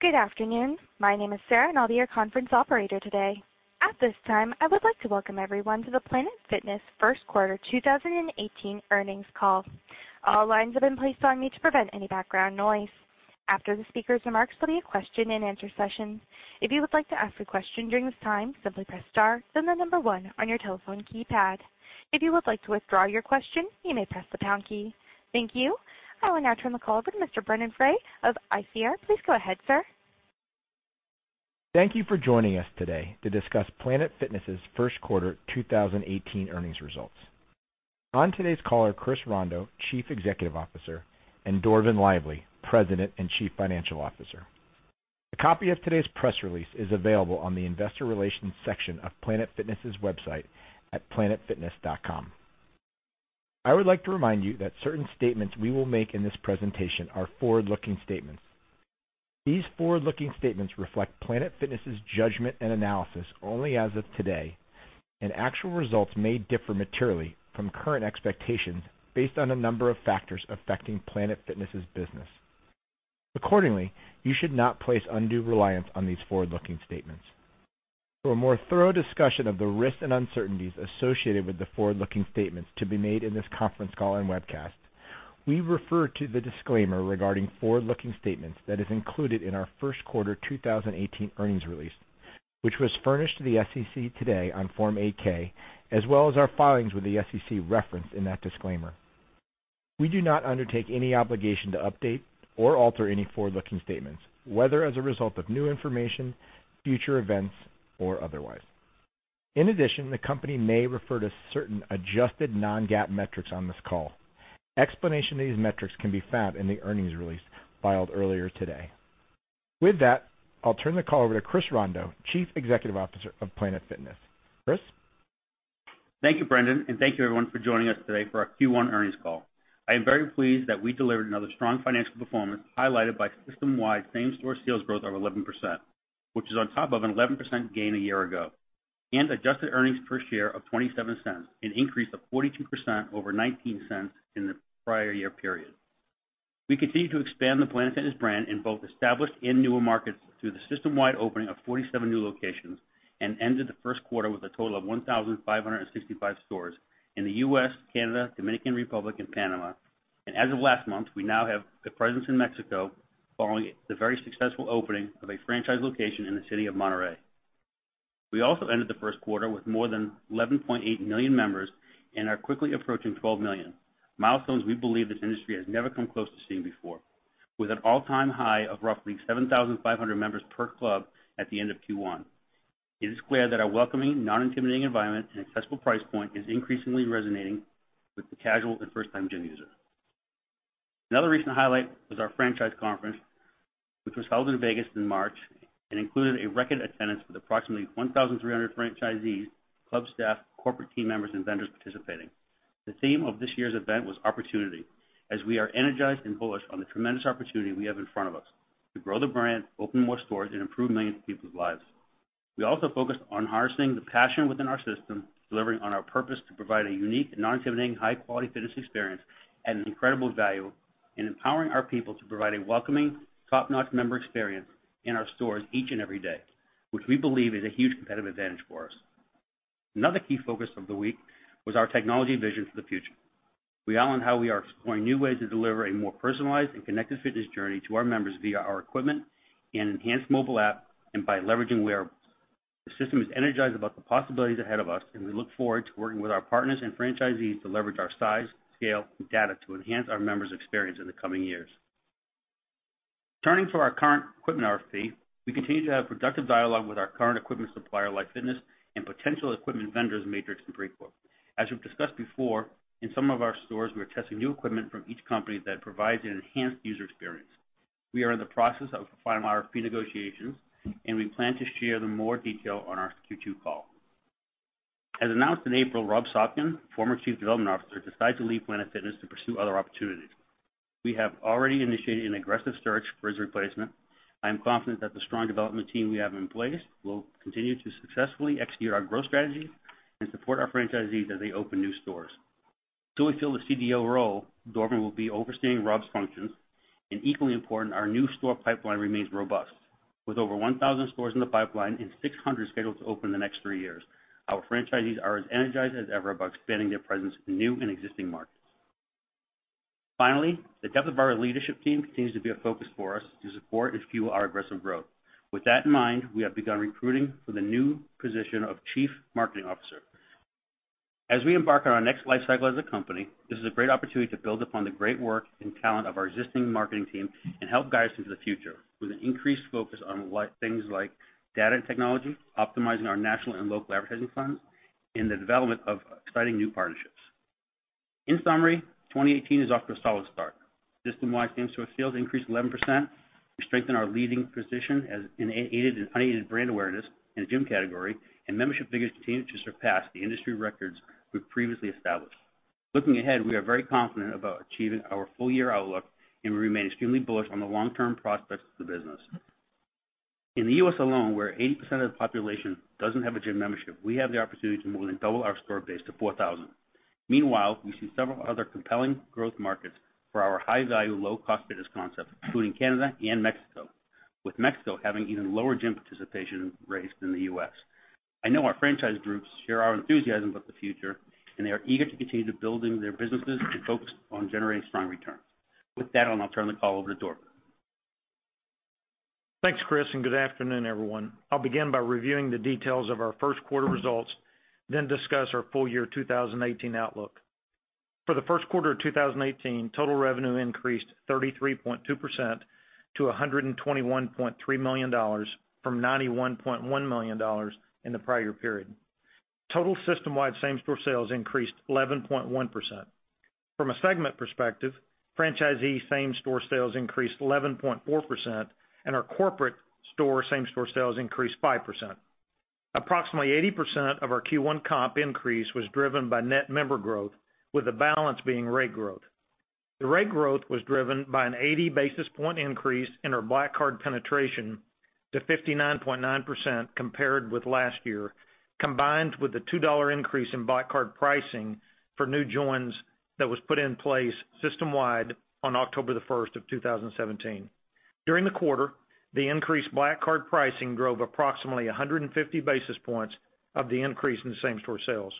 Good afternoon. My name is Sarah, and I'll be your conference operator today. At this time, I would like to welcome everyone to the Planet Fitness First Quarter 2018 Earnings Call. All lines have been placed on mute to prevent any background noise. After the speakers' remarks, there'll be a question and answer session. If you would like to ask a question during this time, simply press star, then the number one on your telephone keypad. If you would like to withdraw your question, you may press the pound key. Thank you. I will now turn the call over to Mr. Brendon Frey of ICR. Please go ahead, sir. Thank you for joining us today to discuss Planet Fitness' first quarter 2018 earnings results. On today's call are Chris Rondeau, Chief Executive Officer, and Dorvin Lively, President and Chief Financial Officer. A copy of today's press release is available on the investor relations section of planetfitness.com. I would like to remind you that certain statements we will make in this presentation are forward-looking statements. These forward-looking statements reflect Planet Fitness' judgment and analysis only as of today, and actual results may differ materially from current expectations based on a number of factors affecting Planet Fitness' business. Accordingly, you should not place undue reliance on these forward-looking statements. For a more thorough discussion of the risks and uncertainties associated with the forward-looking statements to be made in this conference call and webcast, we refer to the disclaimer regarding forward-looking statements that is included in our first quarter 2018 earnings release, which was furnished to the SEC today on Form 8-K, as well as our filings with the SEC referenced in that disclaimer. We do not undertake any obligation to update or alter any forward-looking statements, whether as a result of new information, future events, or otherwise. In addition, the company may refer to certain adjusted non-GAAP metrics on this call. Explanation of these metrics can be found in the earnings release filed earlier today. With that, I'll turn the call over to Chris Rondeau, Chief Executive Officer of Planet Fitness. Chris? Thank you, Brendon, and thank you, everyone, for joining us today for our Q1 earnings call. I am very pleased that we delivered another strong financial performance highlighted by system-wide same-store sales growth of 11%, which is on top of an 11% gain a year ago, and adjusted earnings per share of $0.27, an increase of 42% over $0.19 in the prior year period. We continue to expand the Planet Fitness brand in both established and newer markets through the system-wide opening of 47 new locations, and ended the first quarter with a total of 1,565 stores in the U.S., Canada, Dominican Republic, and Panama. As of last month, we now have a presence in Mexico following the very successful opening of a franchise location in the city of Monterrey. We also ended the first quarter with more than 11.8 million members and are quickly approaching 12 million. Milestones we believe this industry has never come close to seeing before. With an all-time high of roughly 7,500 members per club at the end of Q1, it is clear that our welcoming, non-intimidating environment and accessible price point is increasingly resonating with the casual and first-time gym user. Another recent highlight was our franchise conference, which was held in Vegas in March and included a record attendance with approximately 1,300 franchisees, club staff, corporate team members, and vendors participating. The theme of this year's event was opportunity, as we are energized and bullish on the tremendous opportunity we have in front of us to grow the brand, open more stores, and improve millions of people's lives. We also focused on harnessing the passion within our system, delivering on our purpose to provide a unique, non-intimidating, high-quality fitness experience at an incredible value, and empowering our people to provide a welcoming, top-notch member experience in our stores each and every day, which we believe is a huge competitive advantage for us. Another key focus of the week was our technology vision for the future. We outlined how we are exploring new ways to deliver a more personalized and connected fitness journey to our members via our equipment and enhanced mobile app and by leveraging wearables. The system is energized about the possibilities ahead of us, and we look forward to working with our partners and franchisees to leverage our size, scale, and data to enhance our members' experience in the coming years. Turning to our current equipment RFP, we continue to have productive dialogue with our current equipment supplier, Life Fitness, and potential equipment vendors Matrix and Precor. As we've discussed before, in some of our stores, we are testing new equipment from each company that provides an enhanced user experience. We are in the process of final RFP negotiations, and we plan to share more detail on our Q2 call. As announced in April, Rob Sopkin, former Chief Development Officer, decided to leave Planet Fitness to pursue other opportunities. We have already initiated an aggressive search for his replacement. I am confident that the strong development team we have in place will continue to successfully execute our growth strategy and support our franchisees as they open new stores. Until we fill the CDO role, Dorvin will be overseeing Rob's functions. Equally important, our new store pipeline remains robust, with over 1,000 stores in the pipeline and 600 scheduled to open in the next three years. Our franchisees are as energized as ever about expanding their presence in new and existing markets. Finally, the depth of our leadership team continues to be a focus for us to support and fuel our aggressive growth. With that in mind, we have begun recruiting for the new position of Chief Marketing Officer. As we embark on our next life cycle as a company, this is a great opportunity to build upon the great work and talent of our existing marketing team and help guide us into the future with an increased focus on things like data and technology, optimizing our national and local advertising plans, and the development of exciting new partnerships. In summary, 2018 is off to a solid start. System-wide same-store sales increased 11%. Membership figures continue to surpass the industry records we've previously established. Looking ahead, we are very confident about achieving our full-year outlook, and we remain extremely bullish on the long-term prospects of the business. In the U.S. alone, where 80% of the population doesn't have a gym membership, we have the opportunity to more than double our store base to 4,000. Meanwhile, we see several other compelling growth markets for our high-value, low-cost fitness concept, including Canada and Mexico, with Mexico having even lower gym participation rates than the U.S. I know our franchise groups share our enthusiasm about the future, and they are eager to continue to building their businesses and focused on generating strong returns. With that, I'll now turn the call over to Dorvin. Thanks, Chris. Good afternoon, everyone. I'll begin by reviewing the details of our first quarter results, then discuss our full year 2018 outlook. For the first quarter of 2018, total revenue increased 33.2% to $121.3 million from $91.1 million in the prior period. Total system-wide same-store sales increased 11.1%. From a segment perspective, franchisee same-store sales increased 11.4%, and our corporate store same-store sales increased 5%. Approximately 80% of our Q1 comp increase was driven by net member growth, with the balance being rate growth. The rate growth was driven by an 80 basis point increase in our Black Card penetration to 59.9% compared with last year, combined with the $2 increase in Black Card pricing for new joins that was put in place system-wide on October the 1st of 2017. During the quarter, the increased Black Card pricing drove approximately 150 basis points of the increase in same-store sales.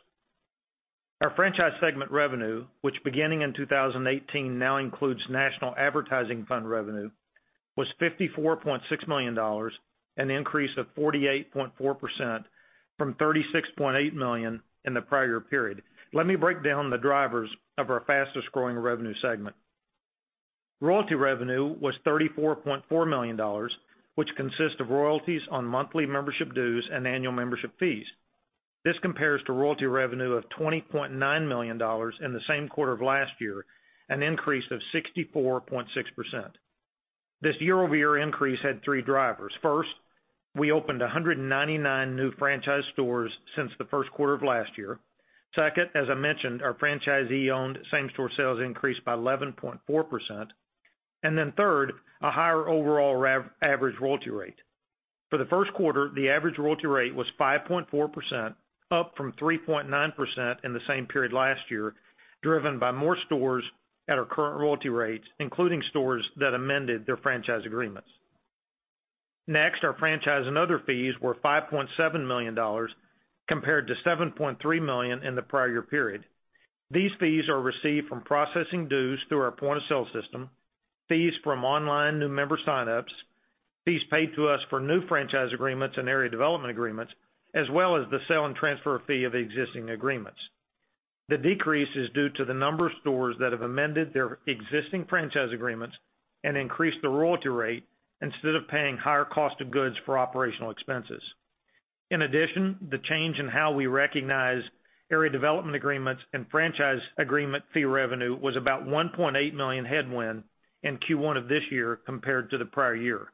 Our franchise segment revenue, which beginning in 2018 now includes national advertising fund revenue, was $54.6 million, an increase of 48.4% from $36.8 million in the prior period. Let me break down the drivers of our fastest-growing revenue segment. Royalty revenue was $34.4 million, which consists of royalties on monthly membership dues and annual membership fees. This compares to royalty revenue of $20.9 million in the same quarter of last year, an increase of 64.6%. This year-over-year increase had three drivers. First, we opened 199 new franchise stores since the first quarter of last year. Second, as I mentioned, our franchisee-owned same-store sales increased by 11.4%. Then third, a higher overall average royalty rate. For the first quarter, the average royalty rate was 5.4%, up from 3.9% in the same period last year, driven by more stores at our current royalty rates, including stores that amended their franchise agreements. Our franchise and other fees were $5.7 million, compared to $7.3 million in the prior year period. These fees are received from processing dues through our point-of-sale system, fees from online new member sign-ups, fees paid to us for new franchise agreements and area development agreements, as well as the sell and transfer fee of existing agreements. The decrease is due to the number of stores that have amended their existing franchise agreements and increased the royalty rate instead of paying higher cost of goods for operational expenses. In addition, the change in how we recognize area development agreements and franchise agreement fee revenue was about $1.8 million headwind in Q1 of this year compared to the prior year.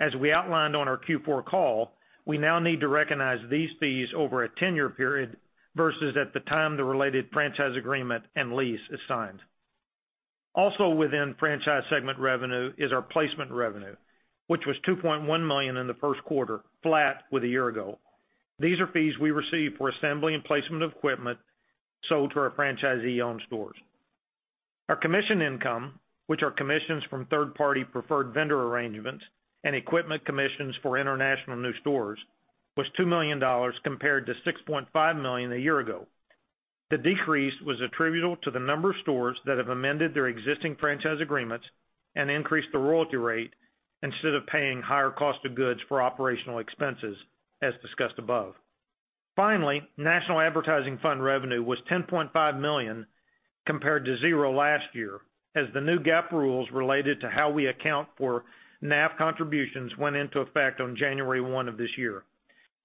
As we outlined on our Q4 call, we now need to recognize these fees over a 10-year period versus at the time the related franchise agreement and lease is signed. Also within franchise segment revenue is our placement revenue, which was $2.1 million in the first quarter, flat with a year ago. These are fees we receive for assembly and placement of equipment sold to our franchisee-owned stores. Our commission income, which are commissions from third-party preferred vendor arrangements and equipment commissions for international new stores, was $2 million compared to $6.5 million a year ago. The decrease was attributable to the number of stores that have amended their existing franchise agreements and increased the royalty rate instead of paying higher cost of goods for operational expenses, as discussed above. National advertising fund revenue was $10.5 million compared to zero last year, as the new GAAP rules related to how we account for NAF contributions went into effect on January 1 of this year.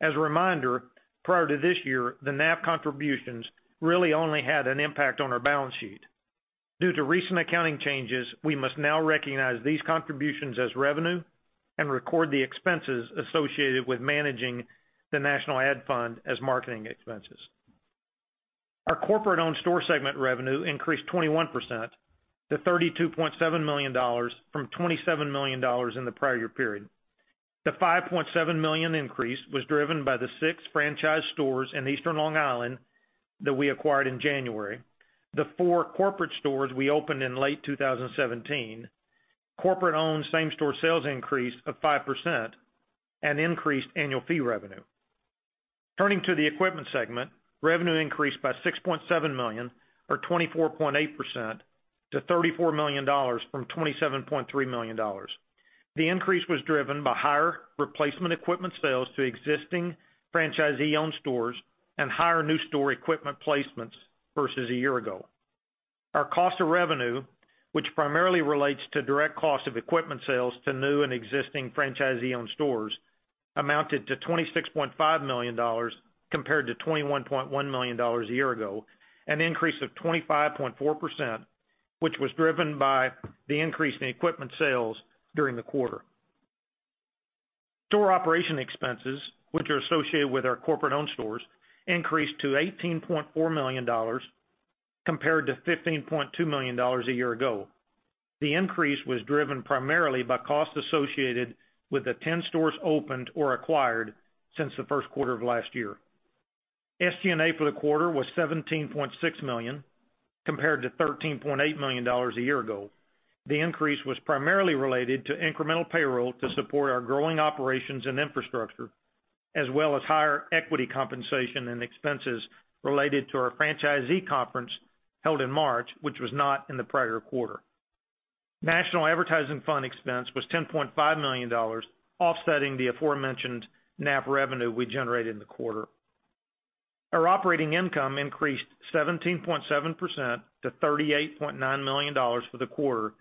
As a reminder, prior to this year, the NAF contributions really only had an impact on our balance sheet. Due to recent accounting changes, we must now recognize these contributions as revenue and record the expenses associated with managing the national ad fund as marketing expenses. Our corporate-owned store segment revenue increased 21% to $32.7 million from $27 million in the prior year period. The $5.7 million increase was driven by the six franchise stores in Eastern Long Island that we acquired in January. The four corporate stores we opened in late 2017, corporate-owned same-store sales increase of 5%, and increased annual fee revenue. Turning to the equipment segment, revenue increased by $6.7 million or 24.8% to $34 million from $27.3 million. The increase was driven by higher replacement equipment sales to existing franchisee-owned stores and higher new store equipment placements versus a year ago. Our cost of revenue, which primarily relates to direct cost of equipment sales to new and existing franchisee-owned stores, amounted to $26.5 million compared to $21.1 million a year ago, an increase of 25.4%, which was driven by the increase in equipment sales during the quarter. Store operation expenses, which are associated with our corporate-owned stores, increased to $18.4 million compared to $15.2 million a year ago. The increase was driven primarily by costs associated with the 10 stores opened or acquired since the first quarter of last year. SG&A for the quarter was $17.6 million, compared to $13.8 million a year ago. The increase was primarily related to incremental payroll to support our growing operations and infrastructure, as well as higher equity compensation and expenses related to our franchisee conference held in March, which was not in the prior quarter. National advertising fund expense was $10.5 million, offsetting the aforementioned NAF revenue we generated in the quarter. Our operating income increased 17.7% to $38.9 million for the quarter,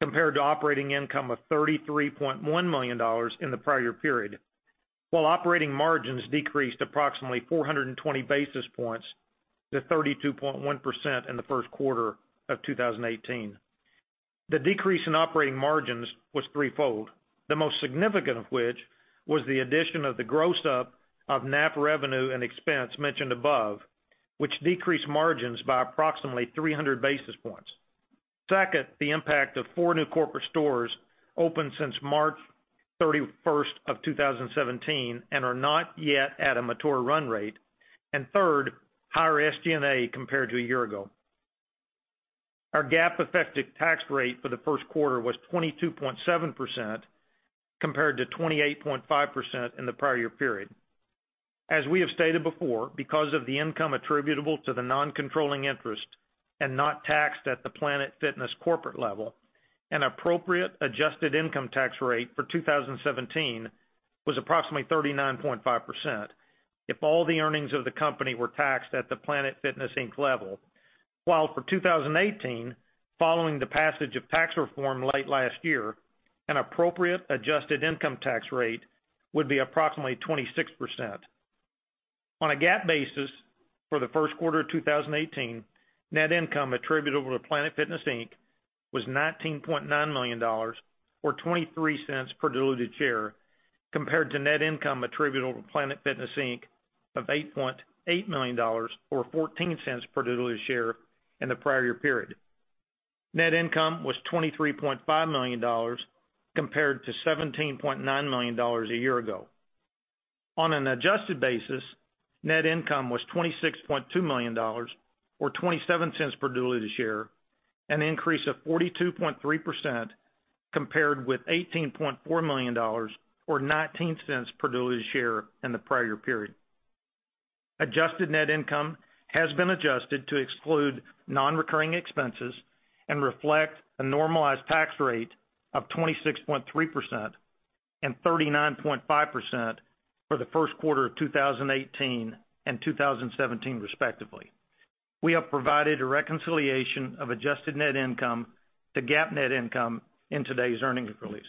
compared to operating income of $33.1 million in the prior period. While operating margins decreased approximately 420 basis points to 32.1% in the first quarter of 2018. The decrease in operating margins was threefold. The most significant of which, was the addition of the gross-up of NAF revenue and expense mentioned above, which decreased margins by approximately 300 basis points. Second, the impact of four new corporate stores opened since March 31st of 2017 and are not yet at a mature run rate. Third, higher SG&A compared to a year ago. Our GAAP-affected tax rate for the first quarter was 22.7% compared to 28.5% in the prior year period. As we have stated before, because of the income attributable to the non-controlling interest and not taxed at the Planet Fitness corporate level, an appropriate adjusted income tax rate for 2017 was approximately 39.5% if all the earnings of the company were taxed at the Planet Fitness Inc. level. While for 2018, following the passage of tax reform late last year, an appropriate adjusted income tax rate would be approximately 26%. On a GAAP basis for the first quarter of 2018, net income attributable to Planet Fitness Inc. was $19.9 million, or $0.23 per diluted share, compared to net income attributable to Planet Fitness Inc. of $8.8 million or $0.14 per diluted share in the prior period. Net income was $23.5 million compared to $17.9 million a year ago. On an adjusted basis, net income was $26.2 million or $0.27 per diluted share, an increase of 42.3% compared with $18.4 million or $0.19 per diluted share in the prior period. Adjusted net income has been adjusted to exclude non-recurring expenses and reflect a normalized tax rate of 26.3% and 39.5% for the first quarter of 2018 and 2017, respectively. We have provided a reconciliation of adjusted net income to GAAP net income in today's earnings release.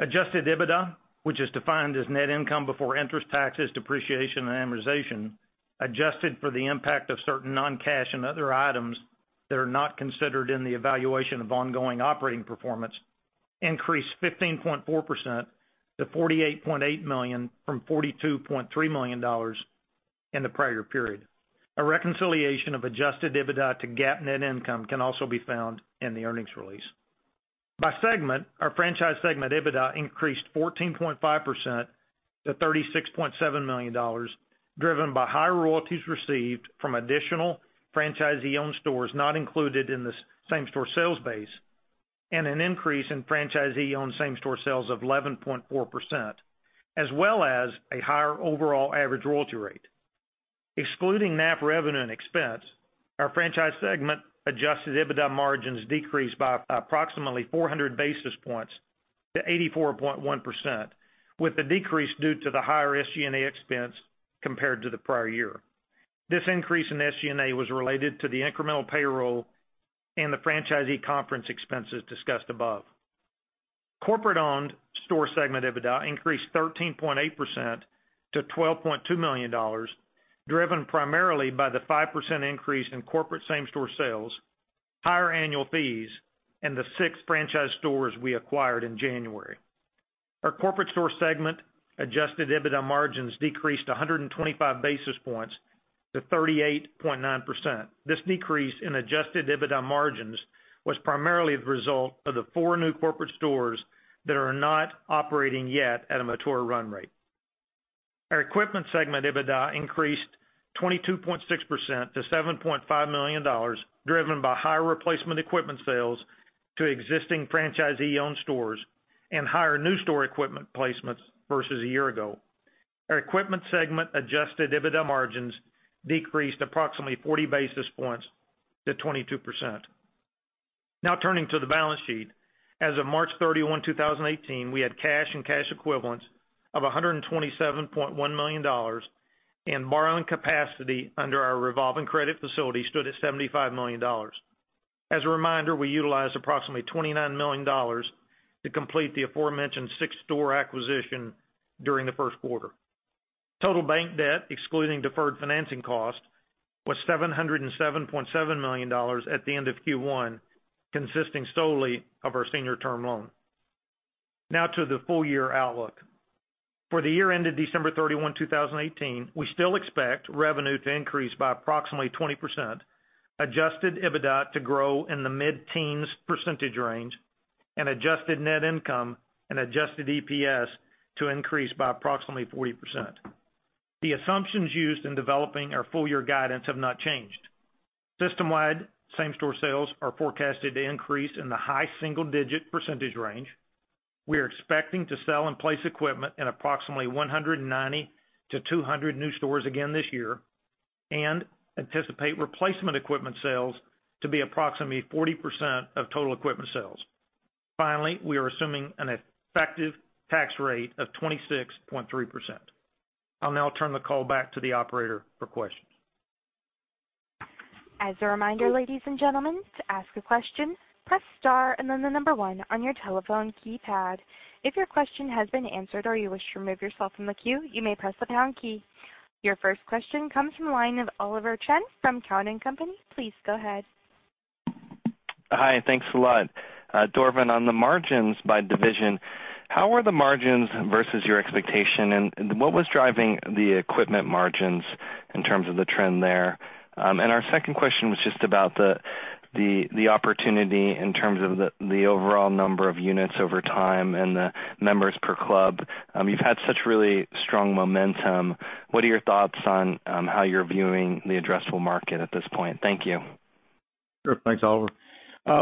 Adjusted EBITDA, which is defined as net income before interest, taxes, depreciation, and amortization, adjusted for the impact of certain non-cash and other items that are not considered in the evaluation of ongoing operating performance, increased 15.4% to $48.8 million from $42.3 million in the prior period. A reconciliation of adjusted EBITDA to GAAP net income can also be found in the earnings release. By segment, our franchise segment EBITDA increased 14.5% to $36.7 million, driven by higher royalties received from additional franchisee-owned stores not included in the same-store sales base, and an increase in franchisee-owned same-store sales of 11.4%, as well as a higher overall average royalty rate. Excluding NAF revenue and expense, our franchise segment adjusted EBITDA margins decreased by approximately 400 basis points to 84.1%, with the decrease due to the higher SG&A expense compared to the prior year. This increase in SG&A was related to the incremental payroll and the franchisee conference expenses discussed above. Corporate-owned store segment EBITDA increased 13.8% to $12.2 million, driven primarily by the 5% increase in corporate same-store sales, higher annual fees, and the six franchise stores we acquired in January. Our corporate store segment adjusted EBITDA margins decreased 125 basis points to 38.9%. This decrease in adjusted EBITDA margins was primarily the result of the four new corporate stores that are not operating yet at a mature run rate. Our equipment segment EBITDA increased 22.6% to $7.5 million, driven by higher replacement equipment sales to existing franchisee-owned stores and higher new store equipment placements versus a year ago. Our equipment segment adjusted EBITDA margins decreased approximately 40 basis points to 22%. Turning to the balance sheet. As of March 31, 2018, we had cash and cash equivalents of $127.1 million, and borrowing capacity under our revolving credit facility stood at $75 million. As a reminder, we utilized approximately $29 million to complete the aforementioned six-store acquisition during the first quarter. Total bank debt, excluding deferred financing cost, was $707.7 million at the end of Q1, consisting solely of our senior term loan. Now to the full year outlook. For the year ended December 31, 2018, we still expect revenue to increase by approximately 20%, adjusted EBITDA to grow in the mid-teens percentage range, and adjusted net income and adjusted EPS to increase by approximately 40%. The assumptions used in developing our full year guidance have not changed. System-wide same-store sales are forecasted to increase in the high single-digit percentage range. We are expecting to sell and place equipment in approximately 190 to 200 new stores again this year, and anticipate replacement equipment sales to be approximately 40% of total equipment sales. Finally, we are assuming an effective tax rate of 26.3%. I'll now turn the call back to the operator for questions. As a reminder, ladies and gentlemen, to ask a question, press star and then the number one on your telephone keypad. If your question has been answered or you wish to remove yourself from the queue, you may press the pound key. Your first question comes from the line of Oliver Chen from Cowen and Company. Please go ahead. Hi, thanks a lot. Dorvin, on the margins by division, how were the margins versus your expectation? What was driving the equipment margins in terms of the trend there? Our second question was just about the opportunity in terms of the overall number of units over time and the members per club. You've had such really strong momentum. What are your thoughts on how you're viewing the addressable market at this point? Thank you. Sure. Thanks, Oliver.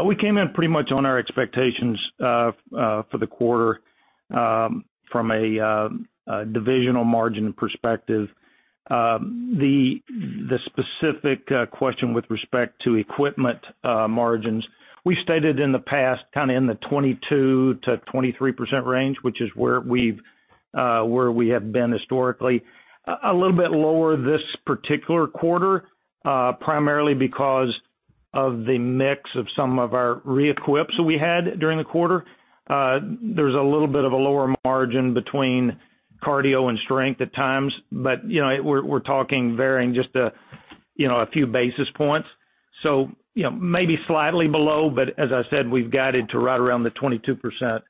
We came in pretty much on our expectations for the quarter, from a divisional margin perspective. The specific question with respect to equipment margins, we stated in the past, kind of in the 22%-23% range, which is where we have been historically. A little bit lower this particular quarter, primarily because of the mix of some of our reequips we had during the quarter. There's a little bit of a lower margin between cardio and strength at times, but we're talking varying just a few basis points. Maybe slightly below, but as I said, we've guided to right around the 22%.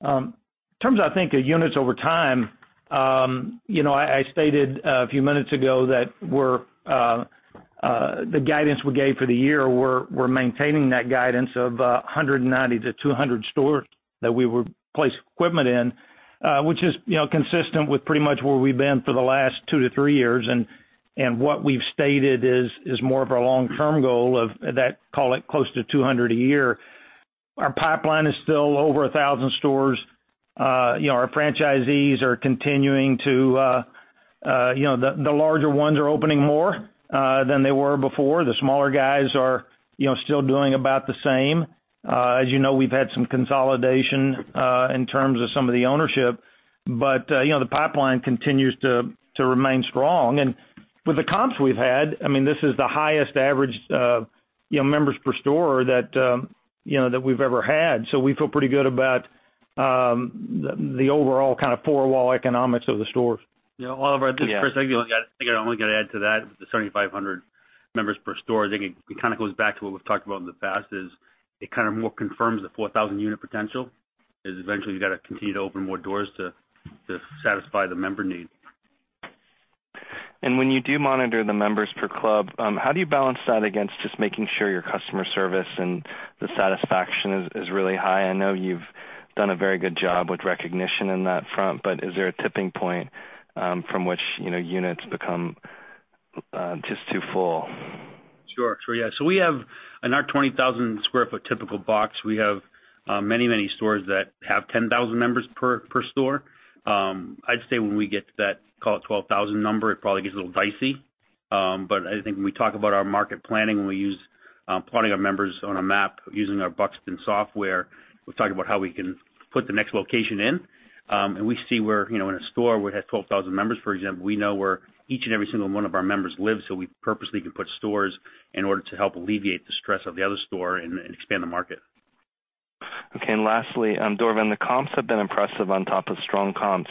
In terms of units over time, I stated a few minutes ago that the guidance we gave for the year, we're maintaining that guidance of 190-200 stores that we would place equipment in, which is consistent with pretty much where we've been for the last two to three years. What we've stated is more of our long-term goal of that, call it, close to 200 a year. Our pipeline is still over 1,000 stores. The larger ones are opening more than they were before. The smaller guys are still doing about the same. As you know, we've had some consolidation in terms of some of the ownership. The pipeline continues to remain strong. With the comps we've had, this is the highest average members per store that we've ever had. We feel pretty good about the overall four wall economics of the stores. Oliver, this is Chris Rondeau. I only got to add to that, the 7,500 members per store, I think it kind of goes back to what we've talked about in the past, is it kind of more confirms the 4,000 unit potential, is eventually you got to continue to open more doors to satisfy the member need. When you do monitor the members per club, how do you balance that against just making sure your customer service and the satisfaction is really high? I know you've done a very good job with recognition in that front, but is there a tipping point from which units become just too full? We have, in our 20,000 sq ft typical box, we have many stores that have 10,000 members per store. I'd say when we get to that, call it 12,000 number, it probably gets a little dicey. I think when we talk about our market planning, when we use plotting our members on a map using our Buxton software, we talk about how we can put the next location in. We see where in a store, we have 12,000 members, for example, we know where each and every single one of our members live, so we purposely can put stores in order to help alleviate the stress of the other store and expand the market. Lastly, Dorvin, the comps have been impressive on top of strong comps.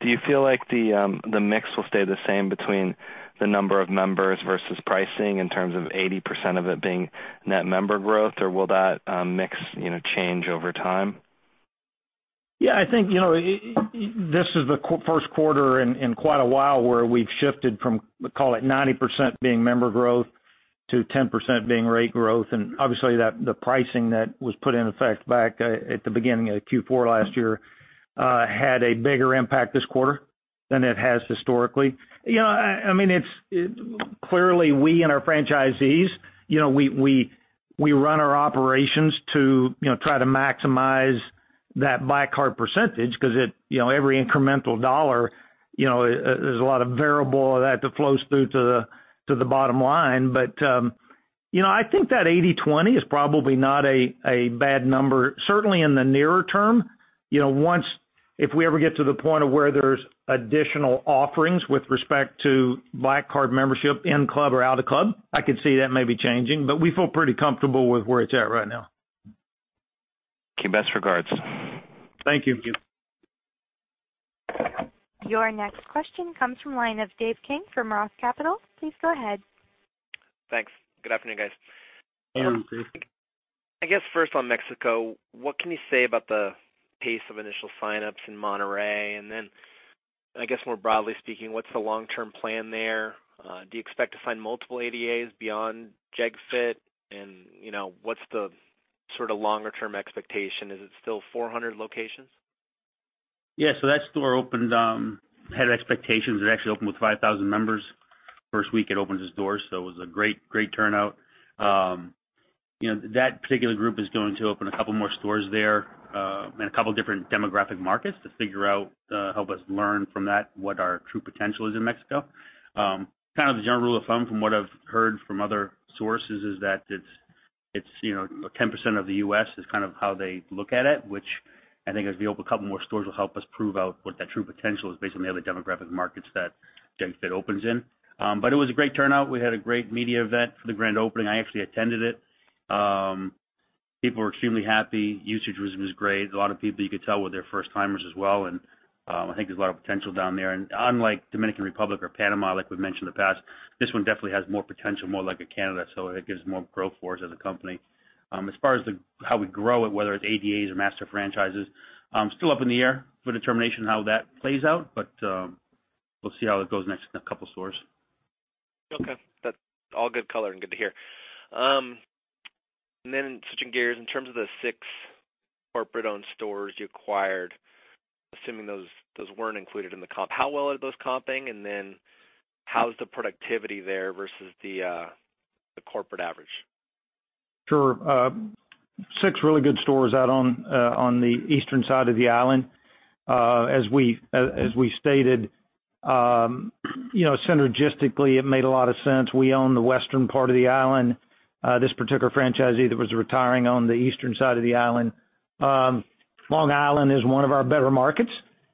Do you feel like the mix will stay the same between the number of members versus pricing in terms of 80% of it being net member growth? Will that mix change over time? I think this is the first quarter in quite a while where we've shifted from, call it 90% being member growth to 10% being rate growth. Obviously, the pricing that was put in effect back at the beginning of Q4 last year had a bigger impact this quarter than it has historically. Clearly, we and our franchisees, we run our operations to try to maximize that Black Card percentage because every incremental dollar, there's a lot of variable of that flows through to the bottom line. I think that 80/20 is probably not a bad number, certainly in the nearer term. If we ever get to the point of where there's additional offerings with respect to Black Card membership in-club or out-of-club, I could see that maybe changing, but we feel pretty comfortable with where it's at right now. Okay. Best regards. Thank you. Your next question comes from the line of Dave King from Roth Capital Partners. Please go ahead. Thanks. Good afternoon, guys. Good morning, Dave. I guess first on Mexico, what can you say about the pace of initial sign-ups in Monterrey? Then, I guess more broadly speaking, what's the long-term plan there? Do you expect to find multiple ADAs beyond JegFit and what's the sort of longer-term expectation? Is it still 400 locations? That store had expectations. It actually opened with 5,000 members first week it opened its doors, it was a great turnout. That particular group is going to open a couple more stores there, in a couple of different demographic markets to figure out, help us learn from that, what our true potential is in Mexico. Kind of the general rule of thumb, from what I've heard from other sources is that it's 10% of the U.S. is kind of how they look at it, which I think as we open a couple more stores will help us prove out what that true potential is based on the other demographic markets that JegFit opens in. It was a great turnout. We had a great media event for the grand opening. I actually attended it. People were extremely happy. Usage was great. A lot of people, you could tell were they're first timers as well, I think there's a lot of potential down there. Unlike Dominican Republic or Panama, like we've mentioned in the past, this one definitely has more potential, more like a Canada. It gives more growth for us as a company. As far as how we grow it, whether it's ADAs or master franchises, still up in the air for determination how that plays out. We'll see how it goes next in a couple stores. Okay. That's all good color and good to hear. Switching gears, in terms of the six corporate-owned stores you acquired, assuming those weren't included in the comp, how well are those comping, how's the productivity there versus the corporate average? Sure. Six really good stores out on the eastern side of the island. As we stated, synergistically, it made a lot of sense. We own the western part of the island. This particular franchisee that was retiring owned the eastern side of the island. Long Island is one of our better markets,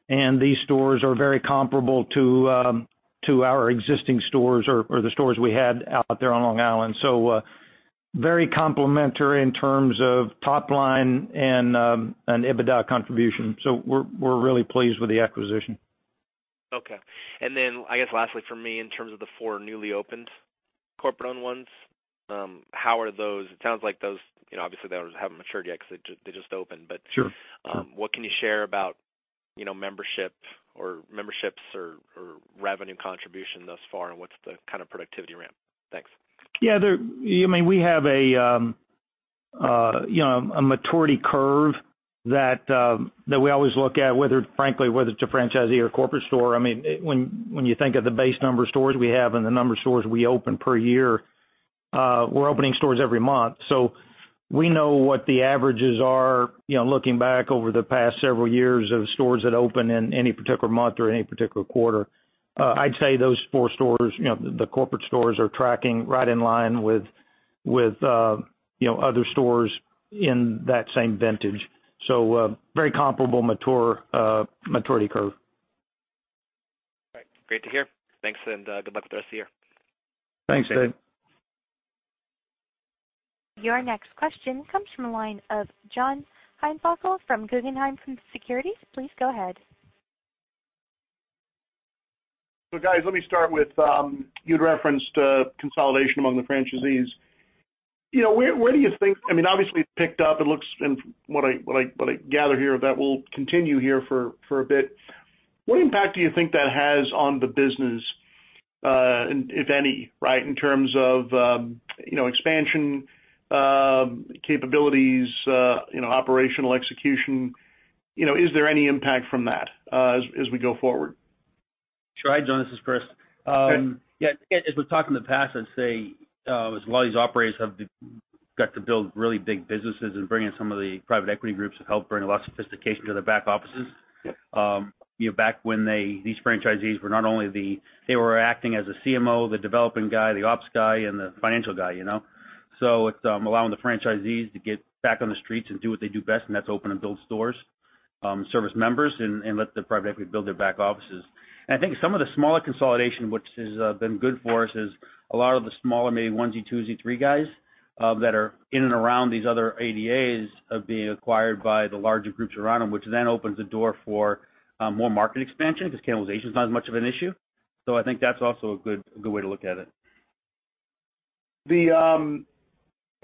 these stores are very comparable to our existing stores or the stores we had out there on Long Island. Very complementary in terms of top line and EBITDA contribution. We're really pleased with the acquisition. Okay. Lastly from me, in terms of the four newly opened corporate-owned ones, how are those? It sounds like those, obviously they haven't matured yet because they just opened, but Sure what can you share about memberships or revenue contribution thus far, what's the kind of productivity ramp? Thanks. Yeah. We have a maturity curve that we always look at, frankly, whether it is a franchisee or a corporate store. When you think of the base number of stores we have and the number of stores we open per year, we are opening stores every month. We know what the averages are, looking back over the past several years of stores that open in any particular month or any particular quarter. I'd say those four stores, the corporate stores, are tracking right in line with other stores in that same vintage. Very comparable maturity curve. All right. Great to hear. Thanks. Good luck with the rest of the year. Thanks, Dave. Your next question comes from the line of John Heinbockel from Guggenheim Securities. Please go ahead. Guys, let me start with, you had referenced consolidation among the franchisees. Obviously, it's picked up. From what I gather here, that will continue here for a bit. What impact do you think that has on the business, if any, in terms of expansion capabilities, operational execution? Is there any impact from that as we go forward? Sure. John, this is Chris. Okay. Yeah. As we've talked in the past, I'd say, as a lot of these operators have got to build really big businesses and bring in some of the private equity groups have helped bring a lot of sophistication to their back offices. Yeah. Back when these franchisees, they were acting as a CMO, the developing guy, the ops guy, and the financial guy. It's allowing the franchisees to get back on the streets and do what they do best, and that's open and build stores, service members, and let the private equity build their back offices. I think some of the smaller consolidation, which has been good for us, is a lot of the smaller, maybe onesie, twosie, three guys that are in and around these other ADAs are being acquired by the larger groups around them, which then opens the door for more market expansion because cannibalization is not as much of an issue. I think that's also a good way to look at it.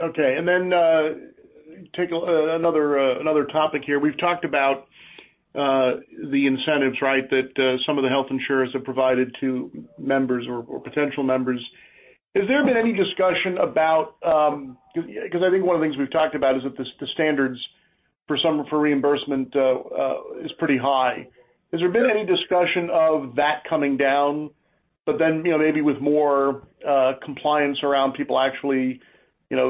Okay. Take another topic here. We've talked about the incentives that some of the health insurers have provided to members or potential members. Has there been any discussion about I think one of the things we've talked about is that the standards for reimbursement is pretty high. Has there been any discussion of that coming down, maybe with more compliance around people actually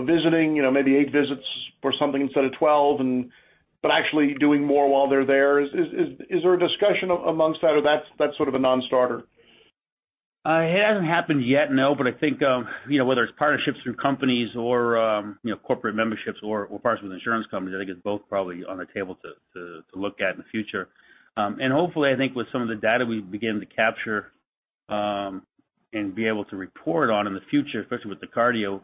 visiting, maybe 8 visits or something instead of 12, but actually doing more while they're there. Is there a discussion amongst that, or that's sort of a non-starter? It hasn't happened yet, no. I think whether it's partnerships through companies or corporate memberships or partners with insurance companies, I think it's both probably on the table to look at in the future. Hopefully, I think with some of the data we begin to capture and be able to report on in the future, especially with the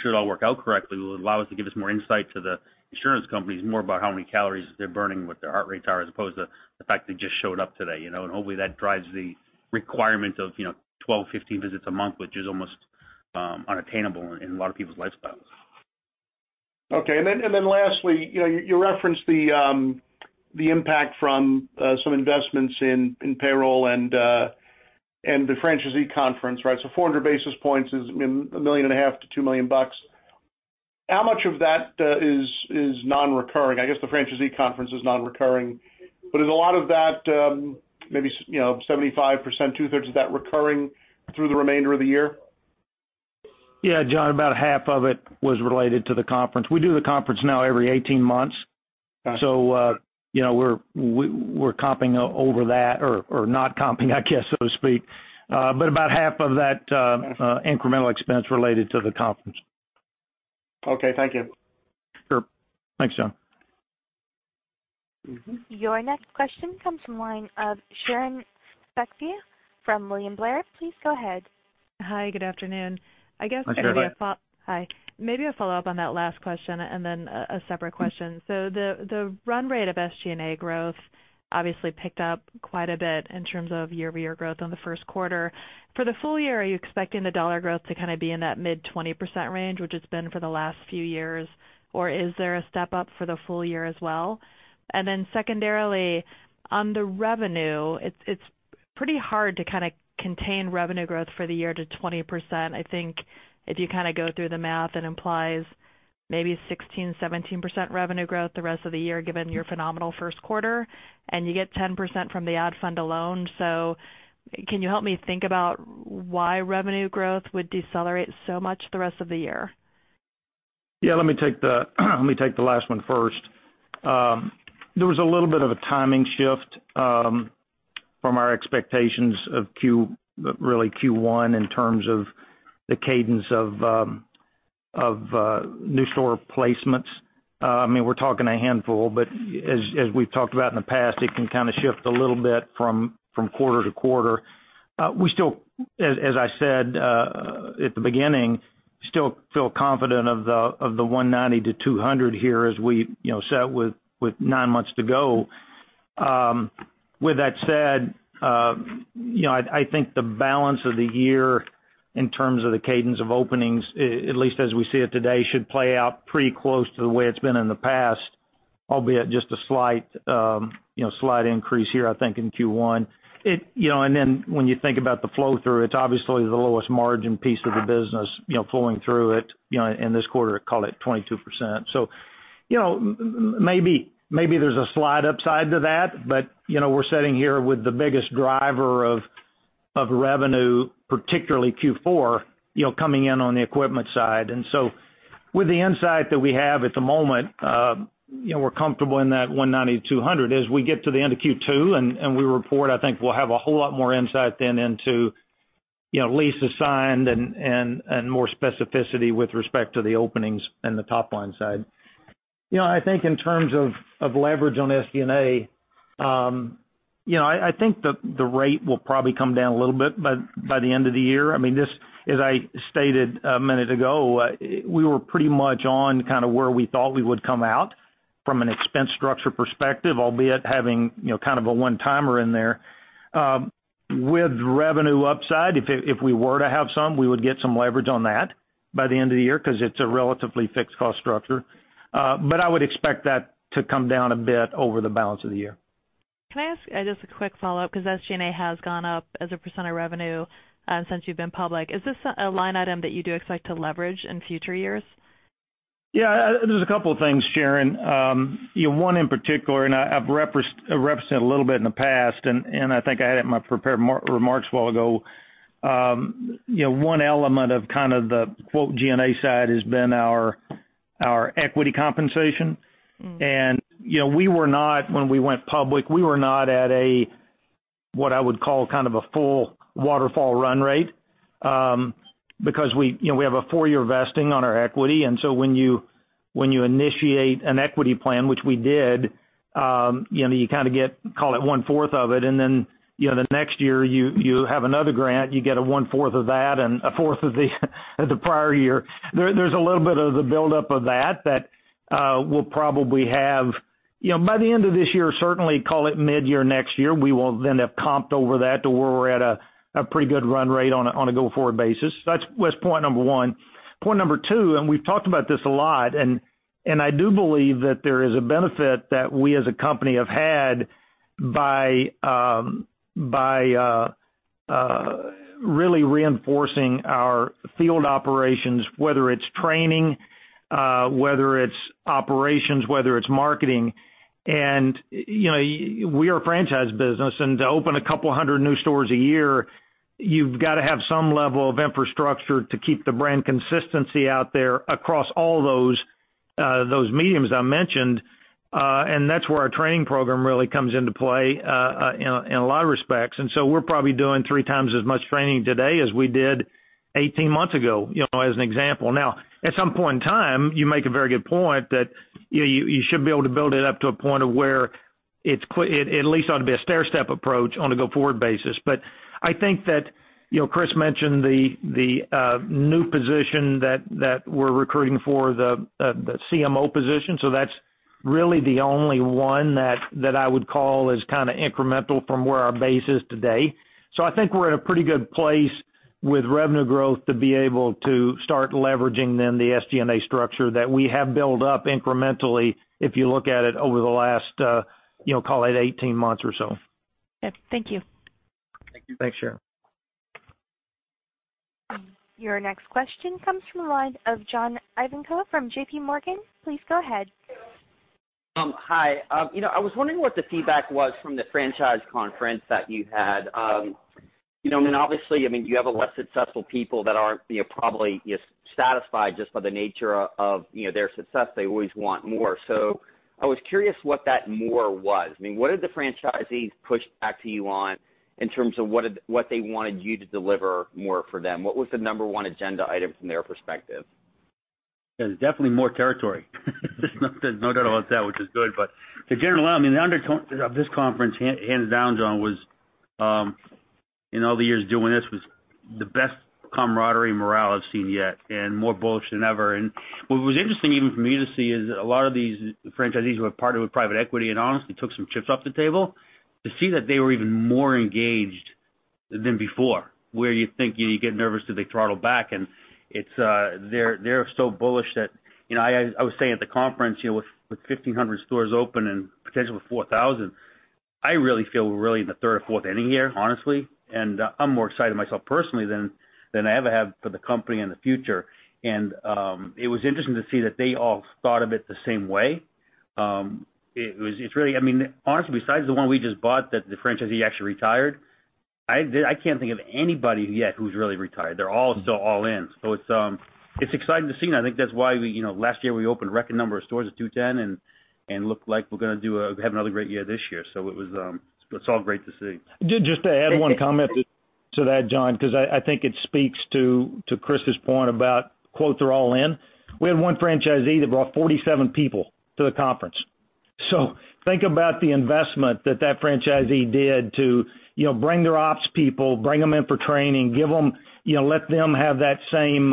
cardio, should all work out correctly, will allow us to give us more insight to the insurance companies, more about how many calories they're burning, what their heart rates are, as opposed to the fact they just showed up today. Hopefully that drives the requirement of 12, 15 visits a month, which is almost unattainable in a lot of people's lifestyles. Okay. Lastly, you referenced the impact from some investments in payroll and the franchisee conference, right? 400 basis points is $1.5 million to $2 million bucks. How much of that is non-recurring? I guess the franchisee conference is non-recurring. Is a lot of that, maybe, 75%, two-thirds of that recurring through the remainder of the year? Yeah, John, about half of it was related to the conference. We do the conference now every 18 months. Got you. we're comping over that or not comping, I guess, so to speak. about half of that- Okay incremental expense related to the conference. Okay, thank you. Sure. Thanks, John. Your next question comes from the line of Sharon Zackfia from William Blair. Please go ahead. Hi, good afternoon. Hi, Sharon. Hi. Maybe a follow-up on that last question and then a separate question. The run rate of SG&A growth obviously picked up quite a bit in terms of year-over-year growth on the first quarter. For the full year, are you expecting the dollar growth to kind of be in that mid 20% range, which it's been for the last few years, or is there a step-up for the full year as well? Secondarily, on the revenue, it's pretty hard to contain revenue growth for the year to 20%. I think if you go through the math, it implies maybe 16%, 17% revenue growth the rest of the year, given your phenomenal first quarter, and you get 10% from the Ad Fund alone. Can you help me think about why revenue growth would decelerate so much the rest of the year? Yeah, let me take the last one first. There was a little bit of a timing shift from our expectations of Q1 in terms of the cadence of new store placements. We're talking a handful, but as we've talked about in the past, it can kind of shift a little bit from quarter-to-quarter. As I said at the beginning, still feel confident of the 190 to 200 here as we set with nine months to go. With that said, I think the balance of the year in terms of the cadence of openings, at least as we see it today, should play out pretty close to the way it's been in the past, albeit just a slight increase here, I think, in Q1. When you think about the flow-through, it's obviously the lowest margin piece of the business flowing through it. In this quarter, call it 22%. Maybe there's a slight upside to that, but we're sitting here with the biggest driver of revenue, particularly Q4, coming in on the equipment side. With the insight that we have at the moment, we're comfortable in that 190 to 200. As we get to the end of Q2 and we report, I think we'll have a whole lot more insight then into lease assigned and more specificity with respect to the openings and the top-line side. I think in terms of leverage on SG&A, I think the rate will probably come down a little bit by the end of the year. As I stated a minute ago, we were pretty much on where we thought we would come out from an expense structure perspective, albeit having kind of a one-timer in there. With revenue upside, if we were to have some, we would get some leverage on that by the end of the year because it's a relatively fixed cost structure. I would expect that to come down a bit over the balance of the year. Can I ask just a quick follow-up, because SG&A has gone up as a % of revenue since you've been public. Is this a line item that you do expect to leverage in future years? Yeah, there's a couple of things, Sharon. One in particular, I've represented a little bit in the past, I think I had it in my prepared remarks while ago. One element of kind of the, quote, "G&A side" has been our equity compensation. When we went public, we were not at a, what I would call a full waterfall run rate, because we have a four-year vesting on our equity. So when you initiate an equity plan, which we did, you kind of get, call it one-fourth of it, then the next year you have another grant, you get a one-fourth of that and a fourth of the prior year. There's a little bit of the buildup of that that we'll probably have by the end of this year, certainly call it mid-year next year, we will then have comped over that to where we're at a pretty good run rate on a go-forward basis. That was point number 1. Point number 2, we've talked about this a lot, I do believe that there is a benefit that we as a company have had by really reinforcing our field operations, whether it's training, whether it's operations, whether it's marketing. We are a franchise business, to open a couple of hundred new stores a year, you've got to have some level of infrastructure to keep the brand consistency out there across all those mediums I mentioned. That's where our training program really comes into play in a lot of respects. So we're probably doing three times as much training today as we did 18 months ago, as an example. At some point in time, you make a very good point that you should be able to build it up to a point of where it at least ought to be a stairstep approach on a go-forward basis. I think that Chris mentioned the new position that we're recruiting for, the CMO position. That's really the only one that I would call as kind of incremental from where our base is today. I think we're in a pretty good place with revenue growth to be able to start leveraging then the SG&A structure that we have built up incrementally, if you look at it over the last call it 18 months or so. Yeah. Thank you. Thank you. Thanks, Sharon. Your next question comes from the line of John Ivankoe from JPMorgan. Please go ahead. Hi. I was wondering what the feedback was from the franchise conference that you had. Obviously, you have a lot of successful people that aren't probably satisfied just by the nature of their success. They always want more. I was curious what that more was. What did the franchisees push back to you on in terms of what they wanted you to deliver more for them? What was the number 1 agenda item from their perspective? It was definitely more territory. There's no doubt about that, which is good. In general, the undertone of this conference, hands down, John, was in all the years of doing this, was the best camaraderie and morale I've seen yet, and more bullish than ever. What was interesting even for me to see is a lot of these franchisees who have partnered with private equity and honestly took some chips off the table, to see that they were even more engaged than before, where you think, you get nervous, do they throttle back? They're so bullish that I was saying at the conference, with 1,500 stores open and potentially 4,000, I really feel we're really in the third or fourth inning here, honestly, and I'm more excited myself personally than I ever have for the company in the future. It was interesting to see that they all thought of it the same way. Honestly, besides the one we just bought that the franchisee actually retired, I can't think of anybody yet who's really retired. They're all still all in. It's exciting to see, I think that's why last year we opened a record number of stores at 210, it looked like we're going to have another great year this year. It's all great to see. Just to add one comment to that, John, because I think it speaks to Chris' point about, quote, "They're all in." We had one franchisee that brought 47 people to the conference. Think about the investment that franchisee did to bring their ops people, bring them in for training, let them have that same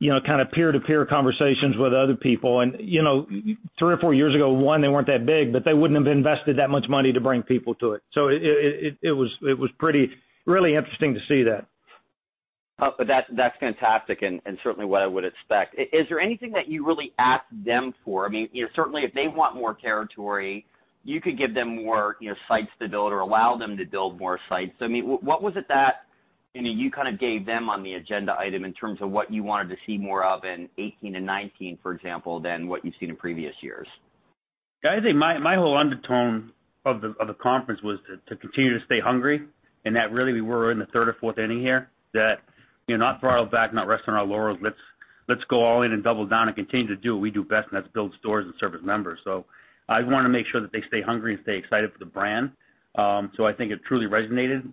kind of peer-to-peer conversations with other people. Three or four years ago, one, they weren't that big, but they wouldn't have invested that much money to bring people to it. It was really interesting to see that. That's fantastic and certainly what I would expect. Is there anything that you really asked them for? Certainly if they want more territory, you could give them more sites to build or allow them to build more sites. What was it that you kind of gave them on the agenda item in terms of what you wanted to see more of in 2018 and 2019, for example, than what you've seen in previous years? I think my whole undertone of the conference was to continue to stay hungry and that really we were in the third or fourth inning here. That not throttle back, not resting on our laurels. Let's go all in and double down and continue to do what we do best, and that's build stores and service members. I want to make sure that they stay hungry and stay excited for the brand. I think it truly resonated,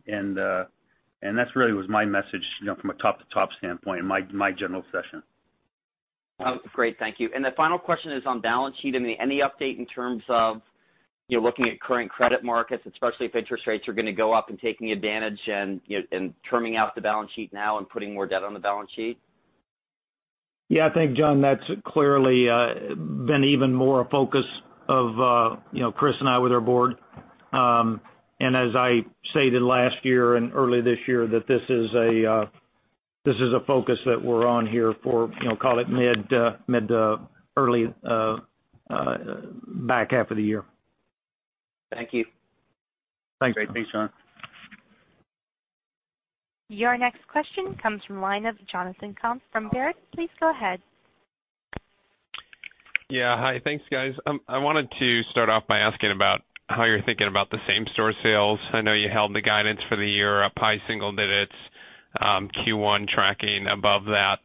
and that really was my message from a top-to-top standpoint in my general session. Great. Thank you. The final question is on balance sheet. Any update in terms of looking at current credit markets, especially if interest rates are going to go up and taking advantage and trimming out the balance sheet now and putting more debt on the balance sheet? Yeah, I think, John, that's clearly been even more a focus of Chris and I with our board. As I stated last year and early this year, that this is a focus that we're on here for call it mid, early back half of the year. Thank you. Thanks. Great. Thanks, John. Your next question comes from line of Jonathan Komp from Baird. Please go ahead. Yeah. Hi. Thanks, guys. I wanted to start off by asking about how you're thinking about the same-store sales. I know you held the guidance for the year up high single digits, Q1 tracking above that,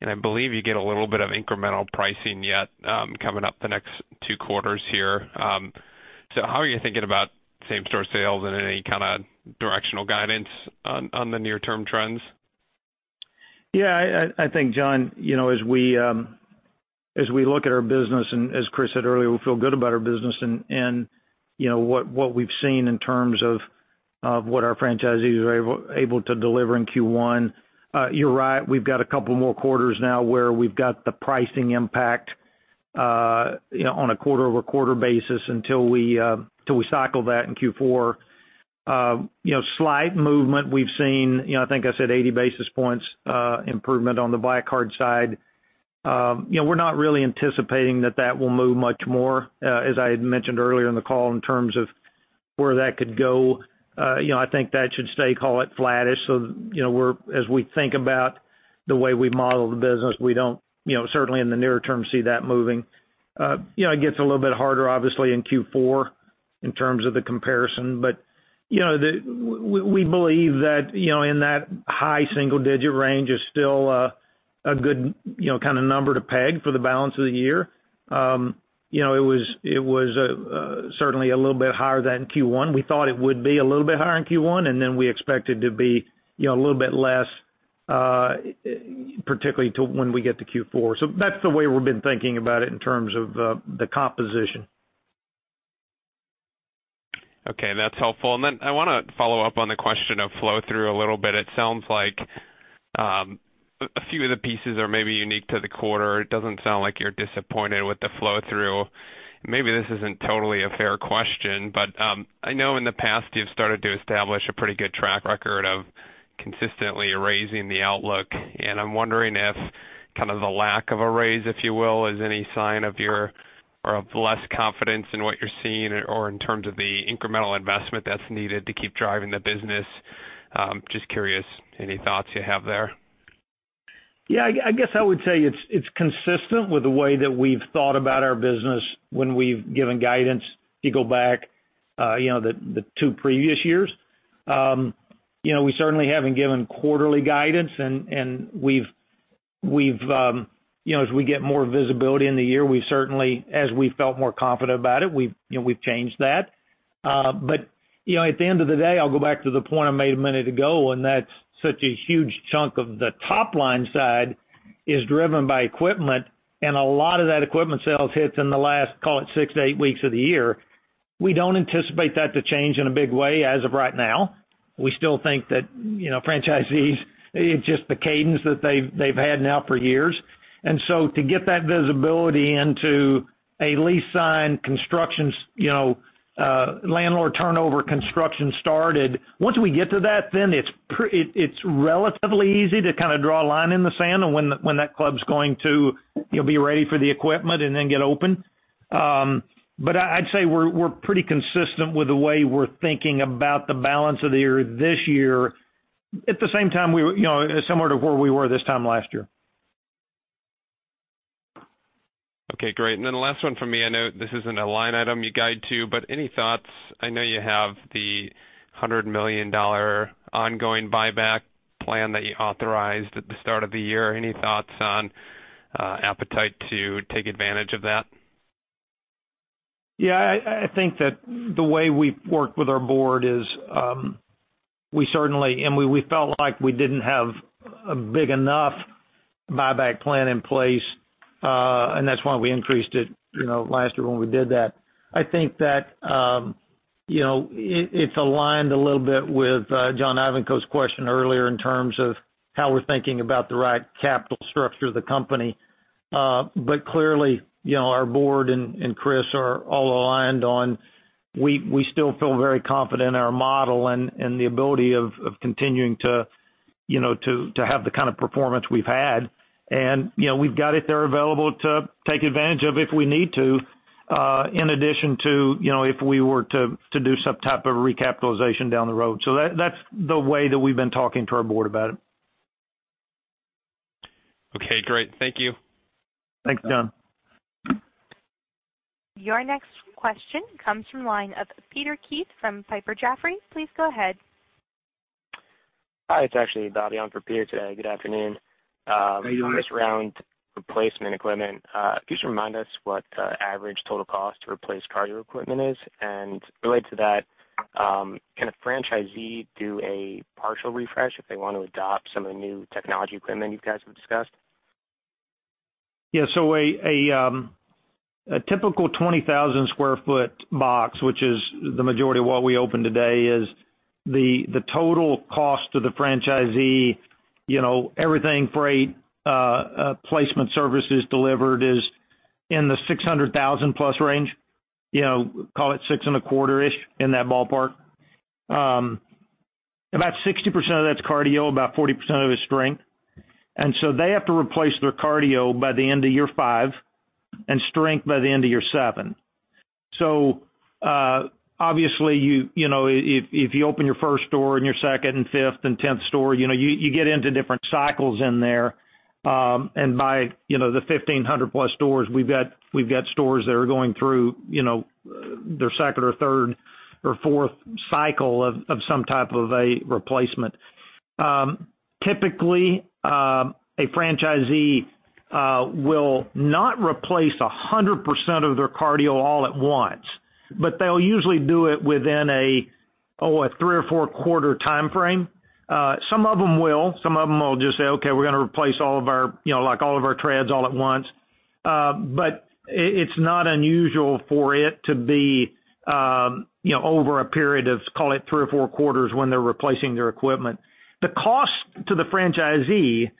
and I believe you get a little bit of incremental pricing yet coming up the next two quarters here. How are you thinking about same-store sales and any kind of directional guidance on the near-term trends? Yeah, I think, John, as we look at our business and as Chris said earlier, we feel good about our business and what we've seen in terms of what our franchisees were able to deliver in Q1. You're right, we've got a couple more quarters now where we've got the pricing impact on a quarter-over-quarter basis until we cycle that in Q4. Slight movement we've seen, I think I said 80 basis points improvement on the Black Card side. We're not really anticipating that that will move much more, as I had mentioned earlier in the call, in terms of where that could go. I think that should stay, call it, flattish. As we think about the way we model the business, we don't, certainly in the near term, see that moving. It gets a little bit harder, obviously, in Q4 in terms of the comparison, but we believe that in that high single-digit range is still a good kind of number to peg for the balance of the year. It was certainly a little bit higher than Q1. We thought it would be a little bit higher in Q1, we expect it to be a little bit less, particularly to when we get to Q4. That's the way we've been thinking about it in terms of the composition. Okay, that's helpful. I want to follow up on the question of flow-through a little bit. It sounds like a few of the pieces are maybe unique to the quarter. It doesn't sound like you're disappointed with the flow-through. Maybe this isn't totally a fair question, I know in the past you've started to establish a pretty good track record of consistently raising the outlook. I'm wondering if kind of the lack of a raise, if you will, is any sign of less confidence in what you're seeing or in terms of the incremental investment that's needed to keep driving the business. Just curious, any thoughts you have there? Yeah, I guess I would say it's consistent with the way that we've thought about our business when we've given guidance. If you go back the 2 previous years. We certainly, as we felt more confident about it, we've changed that. I'll go back to the point I made a minute ago, and that's such a huge chunk of the top-line side is driven by equipment and a lot of that equipment sales hits in the last, call it 6 to 8 weeks of the year. We don't anticipate that to change in a big way as of right now. We still think that franchisees, it's just the cadence that they've had now for years. To get that visibility into a lease sign, constructions, landlord turnover construction started. Once we get to that, it's relatively easy to kind of draw a line in the sand on when that club's going to be ready for the equipment and get open. I'd say we're pretty consistent with the way we're thinking about the balance of this year. At the same time, similar to where we were this time last year. Okay, great. The last one from me. I know this isn't a line item you guide to, any thoughts? I know you have the $100 million ongoing buyback plan that you authorized at the start of the year. Any thoughts on appetite to take advantage of that? Yeah, I think that the way we've worked with our board is, we certainly, and we felt like we didn't have a big enough buyback plan in place, and that's why we increased it last year when we did that. I think that it's aligned a little bit with John Ivankoe's question earlier in terms of how we're thinking about the right capital structure of the company. Clearly, our board and Chris are all aligned on, we still feel very confident in our model and the ability of continuing to have the kind of performance we've had. We've got it there available to take advantage of if we need to, in addition to if we were to do some type of recapitalization down the road. That's the way that we've been talking to our board about it. Okay, great. Thank you. Thanks, John. Your next question comes from line of Peter Keith from Piper Jaffray. Please go ahead. Hi, it's actually Bobby on for Peter today. Good afternoon. How you doing? On this round replacement equipment, could you remind us what average total cost to replace cardio equipment is? Related to that, can a franchisee do a partial refresh if they want to adopt some of the new technology equipment you guys have discussed? A typical 20,000 sq ft box, which is the majority of what we open today, is the total cost to the franchisee. Everything freight, placement services delivered is in the $600,000-plus range. Call it $625,000-ish, in that ballpark. About 60% of that's cardio, about 40% of it's strength. They have to replace their cardio by the end of year five and strength by the end of year seven. Obviously, if you open your first store and your second and fifth and 10th store, you get into different cycles in there. By the 1,500-plus stores, we've got stores that are going through their second or third or fourth cycle of some type of a replacement. Typically, a franchisee will not replace 100% of their cardio all at once, but they'll usually do it within a three or four quarter timeframe. Some of them will. Some of them will just say, "Okay, we're going to replace all of our treads all at once." It's not unusual for it to be over a period of, call it three or four quarters when they're replacing their equipment. The cost to the franchisee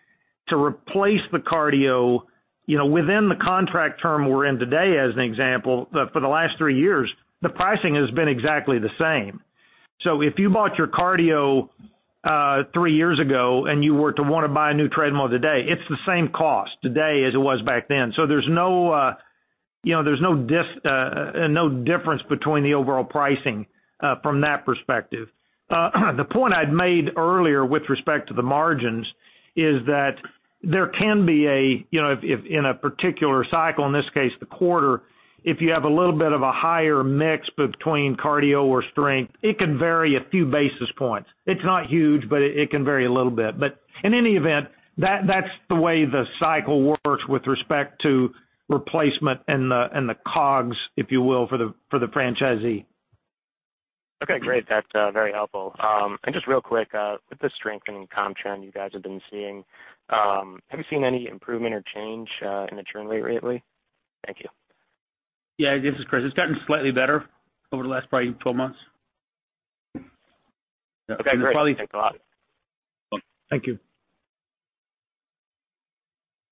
to replace the cardio within the contract term we're in today, as an example, for the last three years, the pricing has been exactly the same. If you bought your cardio three years ago and you were to want to buy a new treadmill today, it's the same cost today as it was back then. There's no difference between the overall pricing from that perspective. The point I'd made earlier with respect to the margins is that there can be, in a particular cycle, in this case, the quarter, if you have a little bit of a higher mix between cardio or strength, it can vary a few basis points. It's not huge, but it can vary a little bit. In any event, that's the way the cycle works with respect to replacement and the COGS, if you will, for the franchisee. Okay, great. That's very helpful. Just real quick, with the strengthening comp trend you guys have been seeing, have you seen any improvement or change in the churn rate lately? Thank you. Yeah. This is Chris. It's gotten slightly better over the last probably 12 months. Okay, great. Thanks a lot. Welcome. Thank you.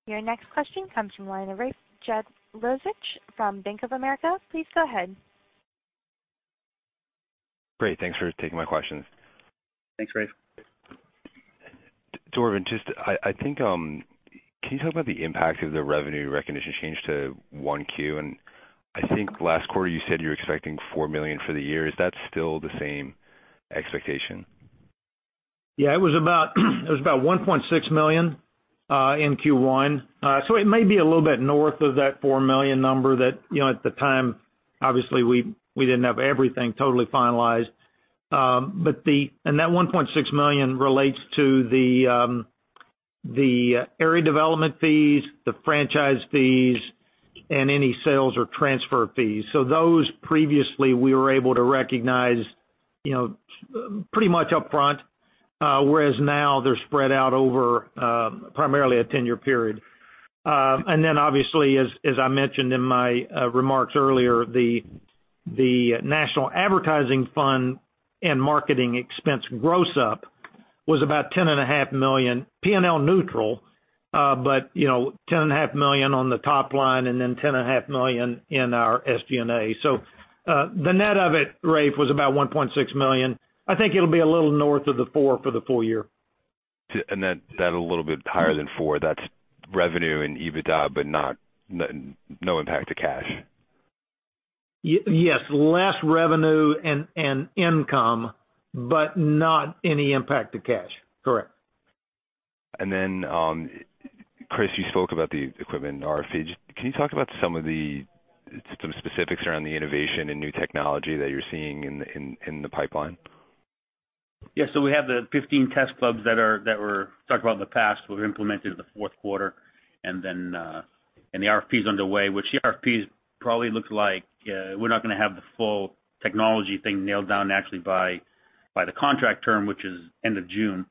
Your next question comes from the line of Rafe Jadrosich from Bank of America. Please go ahead. Great. Thanks for taking my questions. Thanks, Rafe. Dorvin, can you talk about the impact of the revenue recognition change to Q1? I think last quarter you said you were expecting $4 million for the year. Is that still the same expectation? Yeah, it was about $1.6 million in Q1. It may be a little bit north of that $4 million number that, at the time, obviously we didn't have everything totally finalized. That $1.6 million relates to the area development fees, the franchise fees, and any sales or transfer fees. Those previously we were able to recognize pretty much upfront. Whereas now they're spread out over primarily a 10-year period. Then obviously as I mentioned in my remarks earlier, the National Advertising Fund and marketing expense gross up was about $10.5 million P&L neutral. $10.5 million on the top line and then $10.5 million in our SG&A. The net of it, Rafe, was about $1.6 million. I think it'll be a little north of the $4 for the full year. That a little bit higher than $4, that's revenue and EBITDA, but no impact to cash? Yes, less revenue and income, not any impact to cash. Correct. Chris, you spoke about the equipment RFPs. Can you talk about some specifics around the innovation and new technology that you're seeing in the pipeline? We have the 15 test clubs that were talked about in the past, were implemented in the fourth quarter. The RFP is underway, which the RFP probably looks like we're not going to have the full technology thing nailed down actually by the contract term, which is end of June.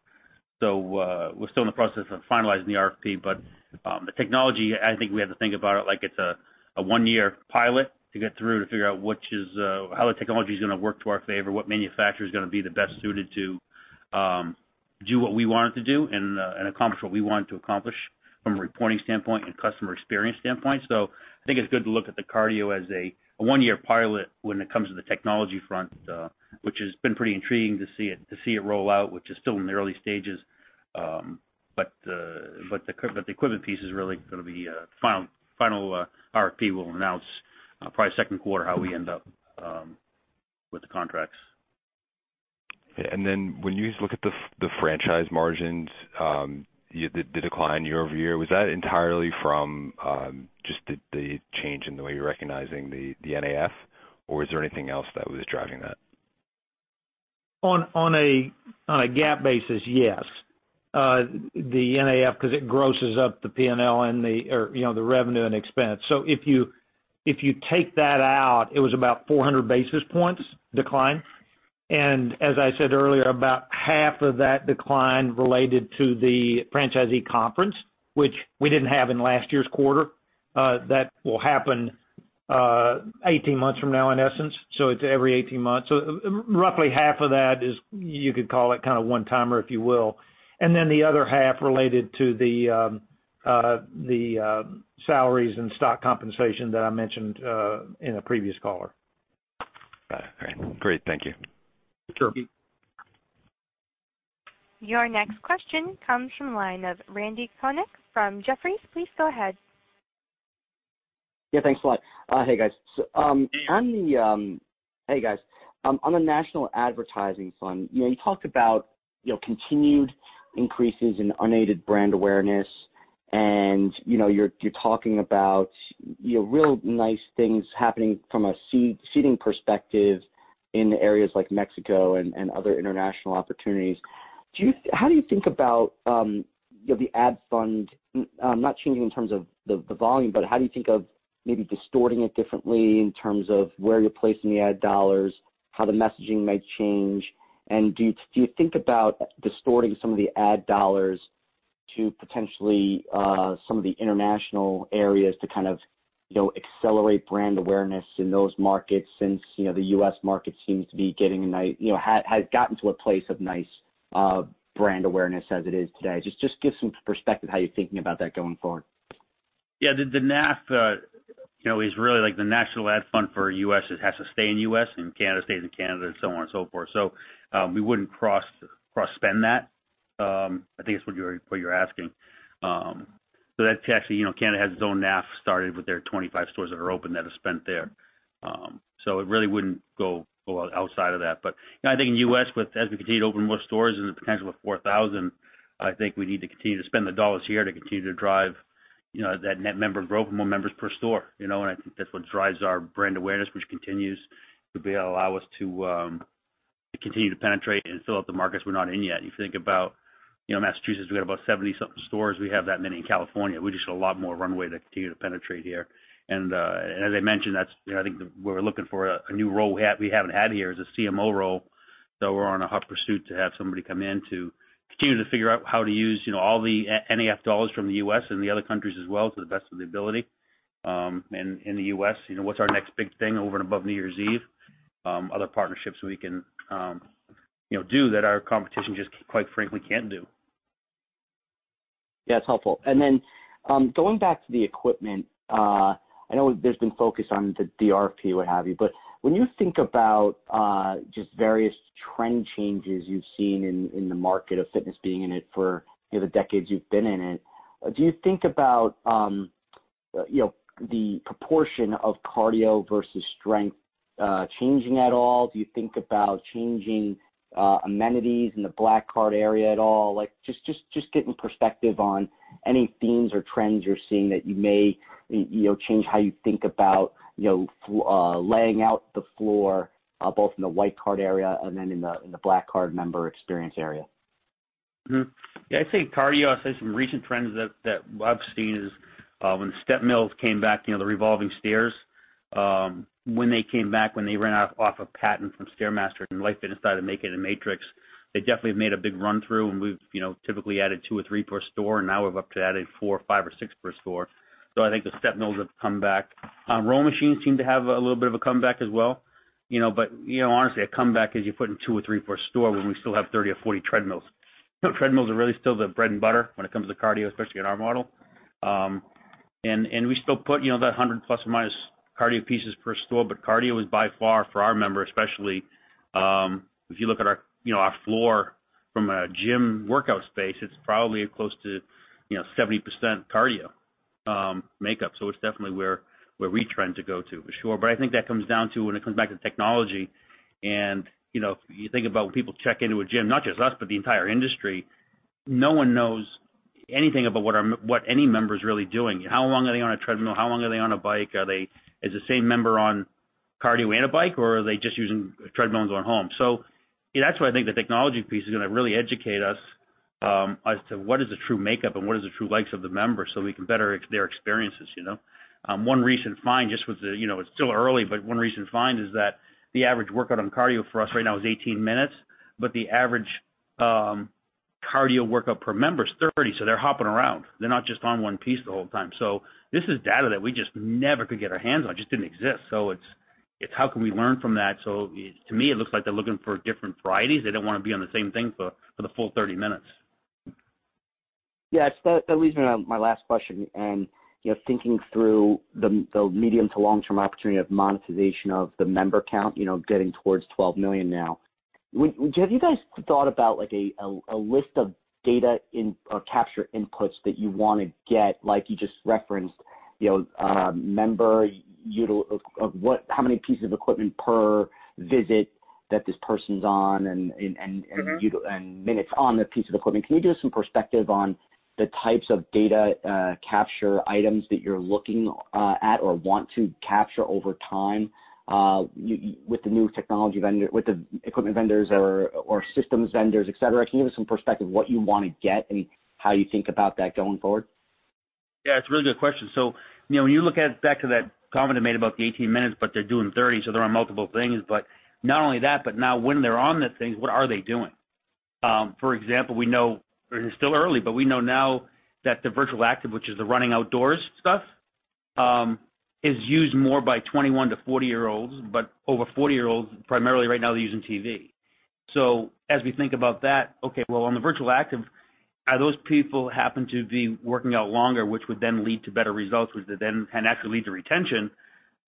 We're still in the process of finalizing the RFP. The technology, I think we have to think about it like it's a one-year pilot to get through to figure out how the technology's going to work to our favor, what manufacturer's going to be the best suited to do what we want it to do and accomplish what we want to accomplish from a reporting standpoint and customer experience standpoint. I think it's good to look at the cardio as a one-year pilot when it comes to the technology front, which has been pretty intriguing to see it roll out, which is still in the early stages. The equipment piece is really going to be final RFP will announce probably second quarter how we end up with the contracts. When you look at the franchise margins, the decline year-over-year, was that entirely from just the change in the way you're recognizing the NAF? Or was there anything else that was driving that? On a GAAP basis, yes. The NAF because it grosses up the P&L and the revenue and expense. If you take that out, it was about 400 basis points decline. As I said earlier, about half of that decline related to the franchisee conference, which we didn't have in last year's quarter. That will happen 18 months from now, in essence. It's every 18 months. Roughly half of that is, you could call it kind of one-timer, if you will. The other half related to the salaries and stock compensation that I mentioned in a previous caller. Got it. All right. Great. Thank you. Sure. Your next question comes from the line of Randy Konik from Jefferies. Please go ahead. Yeah, thanks a lot. Hey, guys. On the- Hey Hey, guys. On the national advertising fund, you talked about continued increases in unaided brand awareness and you're talking about real nice things happening from a seeding perspective in areas like Monterrey and other international opportunities. How do you think about the ad fund, not changing in terms of the volume, but how do you think of maybe distorting it differently in terms of where you're placing the ad dollars, how the messaging might change? Do you think about distorting some of the ad dollars to potentially some of the international areas to kind of accelerate brand awareness in those markets since the U.S. market has gotten to a place of nice brand awareness as it is today? Just give some perspective how you're thinking about that going forward. Yeah. The NAF is really the national ad fund for U.S. It has to stay in U.S. and Canada stays in Canada and so on and so forth. We wouldn't cross-spend that. I think it's what you're asking. That's actually, Canada has its own NAF, started with their 25 stores that are open that have spent there. It really wouldn't go outside of that. I think in the U.S., as we continue to open more stores in the potential of 4,000, I think we need to continue to spend the dollars here to continue to drive that net member growth and more members per store. I think that's what drives our brand awareness, which continues to be able to allow us to continue to penetrate and fill up the markets we're not in yet. You think about Massachusetts, we got about 70-something stores. We have that many in California. We just have a lot more runway to continue to penetrate here. As I mentioned, I think we're looking for a new role we haven't had here as a CMO role. We're on a hot pursuit to have somebody come in to continue to figure out how to use all the NAF dollars from the U.S. and the other countries as well to the best of the ability. In the U.S., what's our next big thing over and above New Year's Eve? Other partnerships we can do that our competition just, quite frankly, can't do. Yeah, it's helpful. Then, going back to the equipment, I know there's been focus on the RFP, what have you. When you think about just various trend changes you've seen in the market of fitness being in it for the decades you've been in it, do you think about the proportion of cardio versus strength changing at all? Do you think about changing amenities in the Black Card area at all? Just getting perspective on any themes or trends you're seeing that you may change how you think about laying out the floor, both in the Classic Card area and then in the Black Card member experience area. I'd say cardio, I'd say some recent trends that I've seen is when stepmills came back, the revolving stairs. When they came back, when they ran off of patent from StairMaster and Life Fitness started making a Matrix, they definitely have made a big run through, and we've typically added two or three per store, and now we've up to adding four or five or six per store. I think the stepmills have come back. Rowing machines seem to have a little bit of a comeback as well. Honestly, a comeback as you put in two or three per store when we still have 30 or 40 treadmills. Treadmills are really still the bread and butter when it comes to cardio, especially in our model. We still put that 100 plus or minus cardio pieces per store, but cardio is by far for our member, especially, if you look at our floor from a gym workout space, it's probably close to 70% cardio makeup. It's definitely where we trend to go to, for sure. I think that comes down to when it comes back to technology and you think about when people check into a gym, not just us, but the entire industry, no one knows anything about what any member's really doing. How long are they on a treadmill? How long are they on a bike? Is the same member on cardio and a bike, or are they just using treadmills on home? That's why I think the technology piece is going to really educate us as to what is the true makeup and what is the true likes of the members so we can better their experiences. One recent find, it's still early, but one recent find is that the average workout on cardio for us right now is 18 minutes, but the average cardio workout per member is 30. They're hopping around. They're not just on one piece the whole time. This is data that we just never could get our hands on. It just didn't exist. It's how can we learn from that? To me, it looks like they're looking for different varieties. They don't want to be on the same thing for the full 30 minutes. That leads me to my last question. Thinking through the medium to long-term opportunity of monetization of the member count, getting towards 12 million now. Have you guys thought about a list of data capture inputs that you want to get, like you just referenced, member of how many pieces of equipment per visit that this person's on and- and minutes on the piece of equipment. Can you give us some perspective on the types of data capture items that you're looking at or want to capture over time with the equipment vendors or systems vendors, et cetera? Can you give us some perspective what you want to get and how you think about that going forward? Yeah, it's a really good question. When you look at back to that comment I made about the 18 minutes, but they're doing 30, they're on multiple things. Not only that, but now when they're on the things, what are they doing? For example, it's still early, but we know now that the Virtual Active, which is the running outdoors stuff, is used more by 21-40 year olds, but over 40 year olds, primarily right now, they're using TV. As we think about that, okay, well, on the Virtual Active, are those people happen to be working out longer, which would then lead to better results, which would then can actually lead to retention?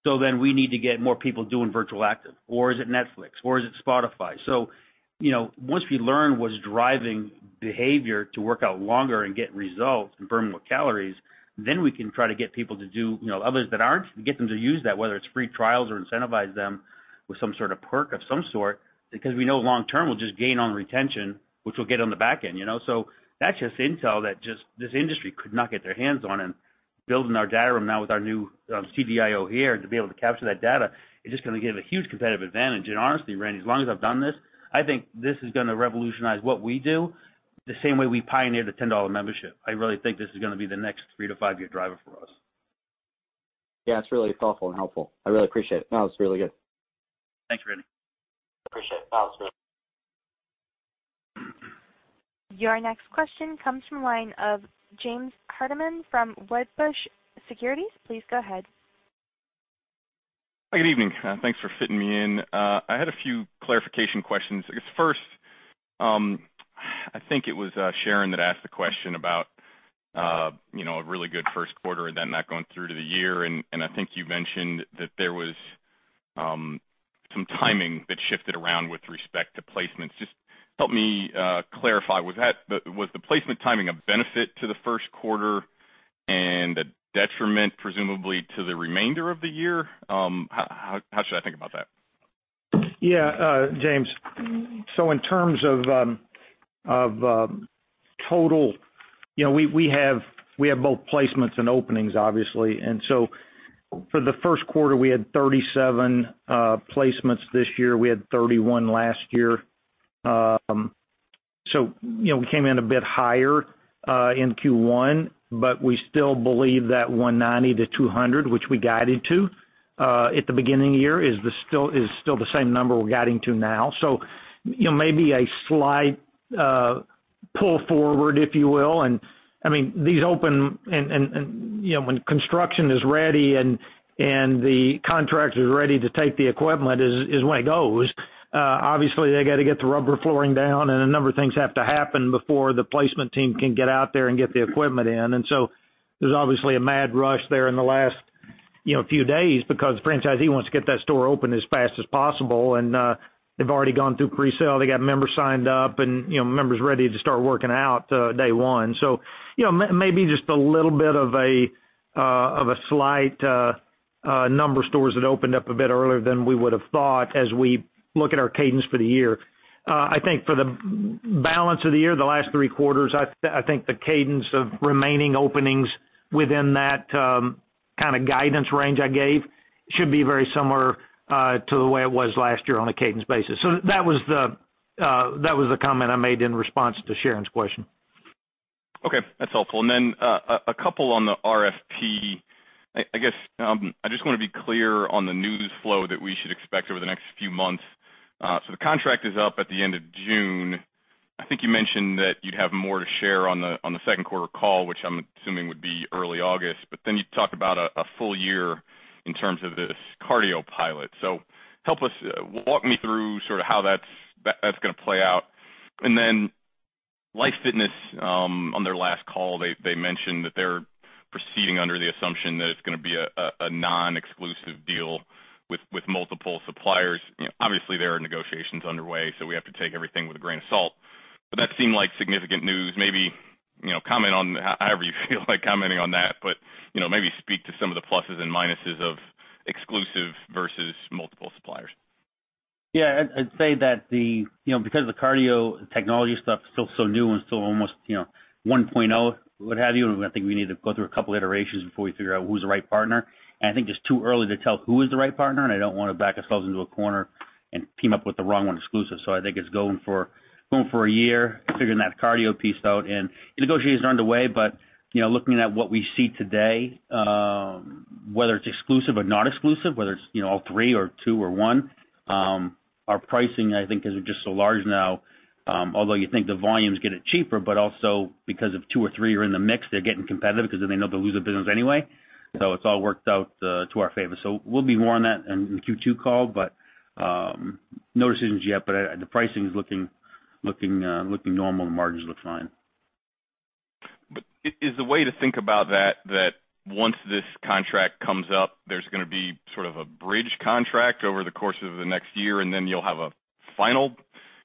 Then we need to get more people doing Virtual Active. Is it Netflix? Is it Spotify? Once we learn what's driving behavior to work out longer and get results and burn more calories, then we can try to get people to do, others that aren't, get them to use that, whether it's free trials or incentivize them with some sort of perk of some sort, because we know long term we'll just gain on retention, which we'll get on the back end. That's just intel that just this industry could not get their hands on and building our data room now with our new CDIO here to be able to capture that data is just going to give a huge competitive advantage. Honestly, Randy, as long as I've done this, I think this is going to revolutionize what we do the same way we pioneered the $10 membership. I really think this is going to be the next 3-5-year driver for us. Yeah, it's really thoughtful and helpful. I really appreciate it. No, it's really good. Thanks, Randy. Appreciate it. That was good. Your next question comes from line of James Hardiman from Wedbush Securities. Please go ahead. Good evening. Thanks for fitting me in. I had a few clarification questions. I guess first, I think it was Sharon that asked the question about a really good first quarter and then that going through to the year. I think you mentioned that there was some timing that shifted around with respect to placements. Just help me clarify. Was the placement timing a benefit to the first quarter and a detriment, presumably, to the remainder of the year? How should I think about that? Yeah, James. In terms of total, we have both placements and openings, obviously. For the first quarter, we had 37 placements this year. We had 31 last year. We came in a bit higher in Q1, but we still believe that 190-200, which we guided to at the beginning of the year, is still the same number we're guiding to now. Maybe a slight pull forward, if you will. These open and when construction is ready and the contractor's ready to take the equipment is when it goes. They got to get the rubber flooring down, and a number of things have to happen before the placement team can get out there and get the equipment in. There's obviously a mad rush there in the last few days because the franchisee wants to get that store open as fast as possible. They've already gone through pre-sale. They got members signed up and members ready to start working out day one. Maybe just a little bit of a slight number stores that opened up a bit earlier than we would've thought as we look at our cadence for the year. I think for the balance of the year, the last three quarters, I think the cadence of remaining openings within that kind of guidance range I gave should be very similar to the way it was last year on a cadence basis. That was the comment I made in response to Sharon's question. Okay. That's helpful. A couple on the RFP. I guess I just want to be clear on the news flow that we should expect over the next few months. The contract is up at the end of June. I think you mentioned that you'd have more to share on the second quarter call, which I'm assuming would be early August. You talked about a full year in terms of this cardio pilot. Walk me through sort of how that's going to play out. Life Fitness, on their last call, they mentioned that they're proceeding under the assumption that it's going to be a non-exclusive deal with multiple suppliers. There are negotiations underway, so we have to take everything with a grain of salt. That seemed like significant news. Maybe comment on however you feel like commenting on that. Maybe speak to some of the pluses and minuses of exclusive versus multiple suppliers. Yeah. I'd say that because the cardio technology stuff is still so new and still almost 1.0, what have you, I think we need to go through a couple iterations before we figure out who's the right partner. I think it's too early to tell who is the right partner, and I don't want to back ourselves into a corner and team up with the wrong one exclusive. I think it's going for a year, figuring that cardio piece out and the negotiation's underway. Looking at what we see today, whether it's exclusive or non-exclusive, whether it's all three or two or one, our pricing, I think, is just so large now. Although you think the volumes get it cheaper, also because if two or three are in the mix, they're getting competitive because they know they'll lose the business anyway. It's all worked out to our favor. We'll be more on that in Q2 call, no decisions yet, the pricing is looking normal, and the margins look fine. Is the way to think about that once this contract comes up, there's going to be sort of a bridge contract over the course of the next year, and then you'll have a final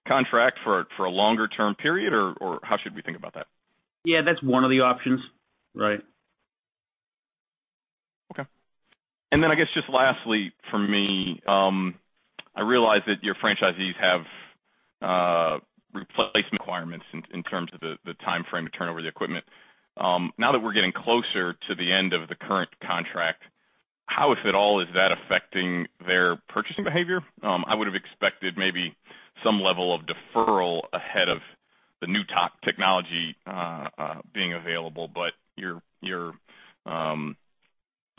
contract for a longer-term period? Or how should we think about that? Yeah, that's one of the options. Right. Okay. I guess just lastly for me, I realize that your franchisees have replacement requirements in terms of the timeframe to turn over the equipment. Now that we're getting closer to the end of the current contract, how, if at all, is that affecting their purchasing behavior? I would have expected maybe some level of deferral ahead of the new technology being available. Your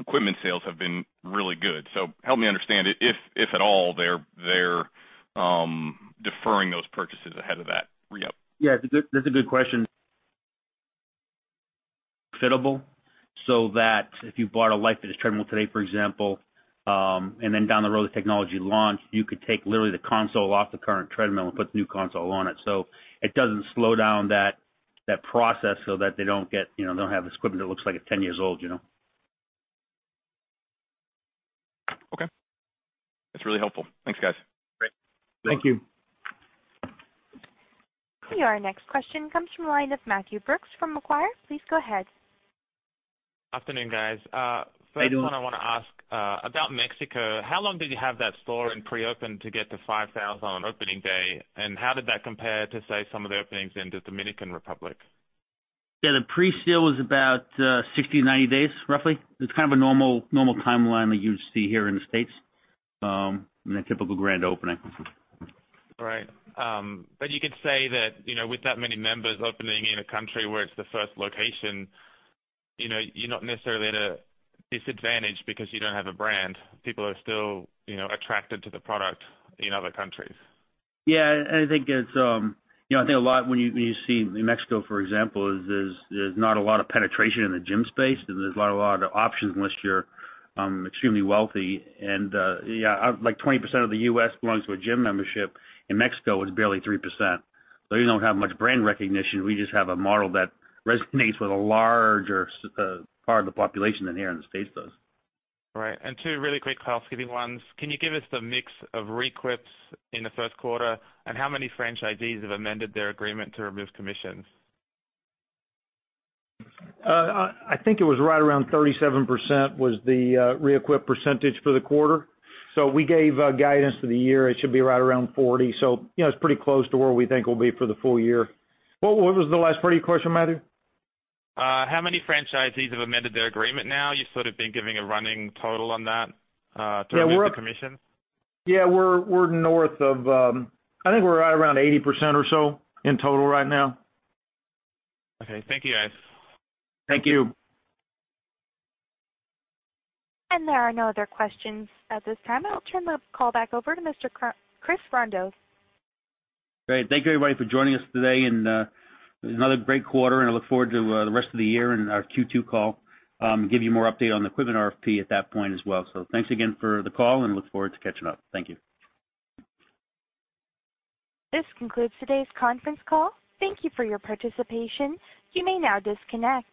equipment sales have been really good. Help me understand if at all they're deferring those purchases ahead of that re-up. Yeah. That's a good question. Suitable so that if you bought a Life Fitness treadmill today, for example, then down the road, the technology launched, you could take literally the console off the current treadmill and put the new console on it. It doesn't slow down that process so that they don't have equipment that looks like it's 10 years old. Okay. That's really helpful. Thanks, guys. Great. Thank you. Our next question comes from the line of Matthew Brooks from Macquarie. Please go ahead. Afternoon, guys. Hey, Matthew. First one I want to ask about Mexico, how long did you have that store in pre-open to get to 5,000 on opening day? How did that compare to, say, some of the openings in the Dominican Republic? Yeah, the pre-sale was about 60-90 days, roughly. It's kind of a normal timeline that you would see here in the U.S., in a typical grand opening. Right. You could say that, with that many members opening in a country where it's the first location, you're not necessarily at a disadvantage because you don't have a brand. People are still attracted to the product in other countries. Yeah, I think a lot when you see Mexico, for example, is there's not a lot of penetration in the gym space, and there's not a lot of options unless you're extremely wealthy. Yeah, like 20% of the U.S. belongs to a gym membership. In Mexico, it's barely 3%. We don't have much brand recognition. We just have a model that resonates with a larger part of the population than here in the U.S. does. Right. Two really quick housekeeping ones. Can you give us the mix of re-equips in the first quarter, and how many franchisees have amended their agreement to remove commissions? I think it was right around 37% was the re-equip percentage for the quarter. We gave guidance for the year, it should be right around 40%. It's pretty close to where we think it'll be for the full year. What was the last part of your question, Matthew? How many franchisees have amended their agreement now? You've sort of been giving a running total on that. Yeah. To remove the commission. Yeah, we're north of, I think we're right around 80% or so in total right now. Okay. Thank you, guys. Thank you. There are no other questions at this time. I'll turn the call back over to Mr. Chris Rondeau. Thank you everybody for joining us today. Another great quarter, and I look forward to the rest of the year and our Q2 call. Give you more update on the equipment RFP at that point as well. Thanks again for the call. Look forward to catching up. Thank you. This concludes today's conference call. Thank you for your participation. You may now disconnect.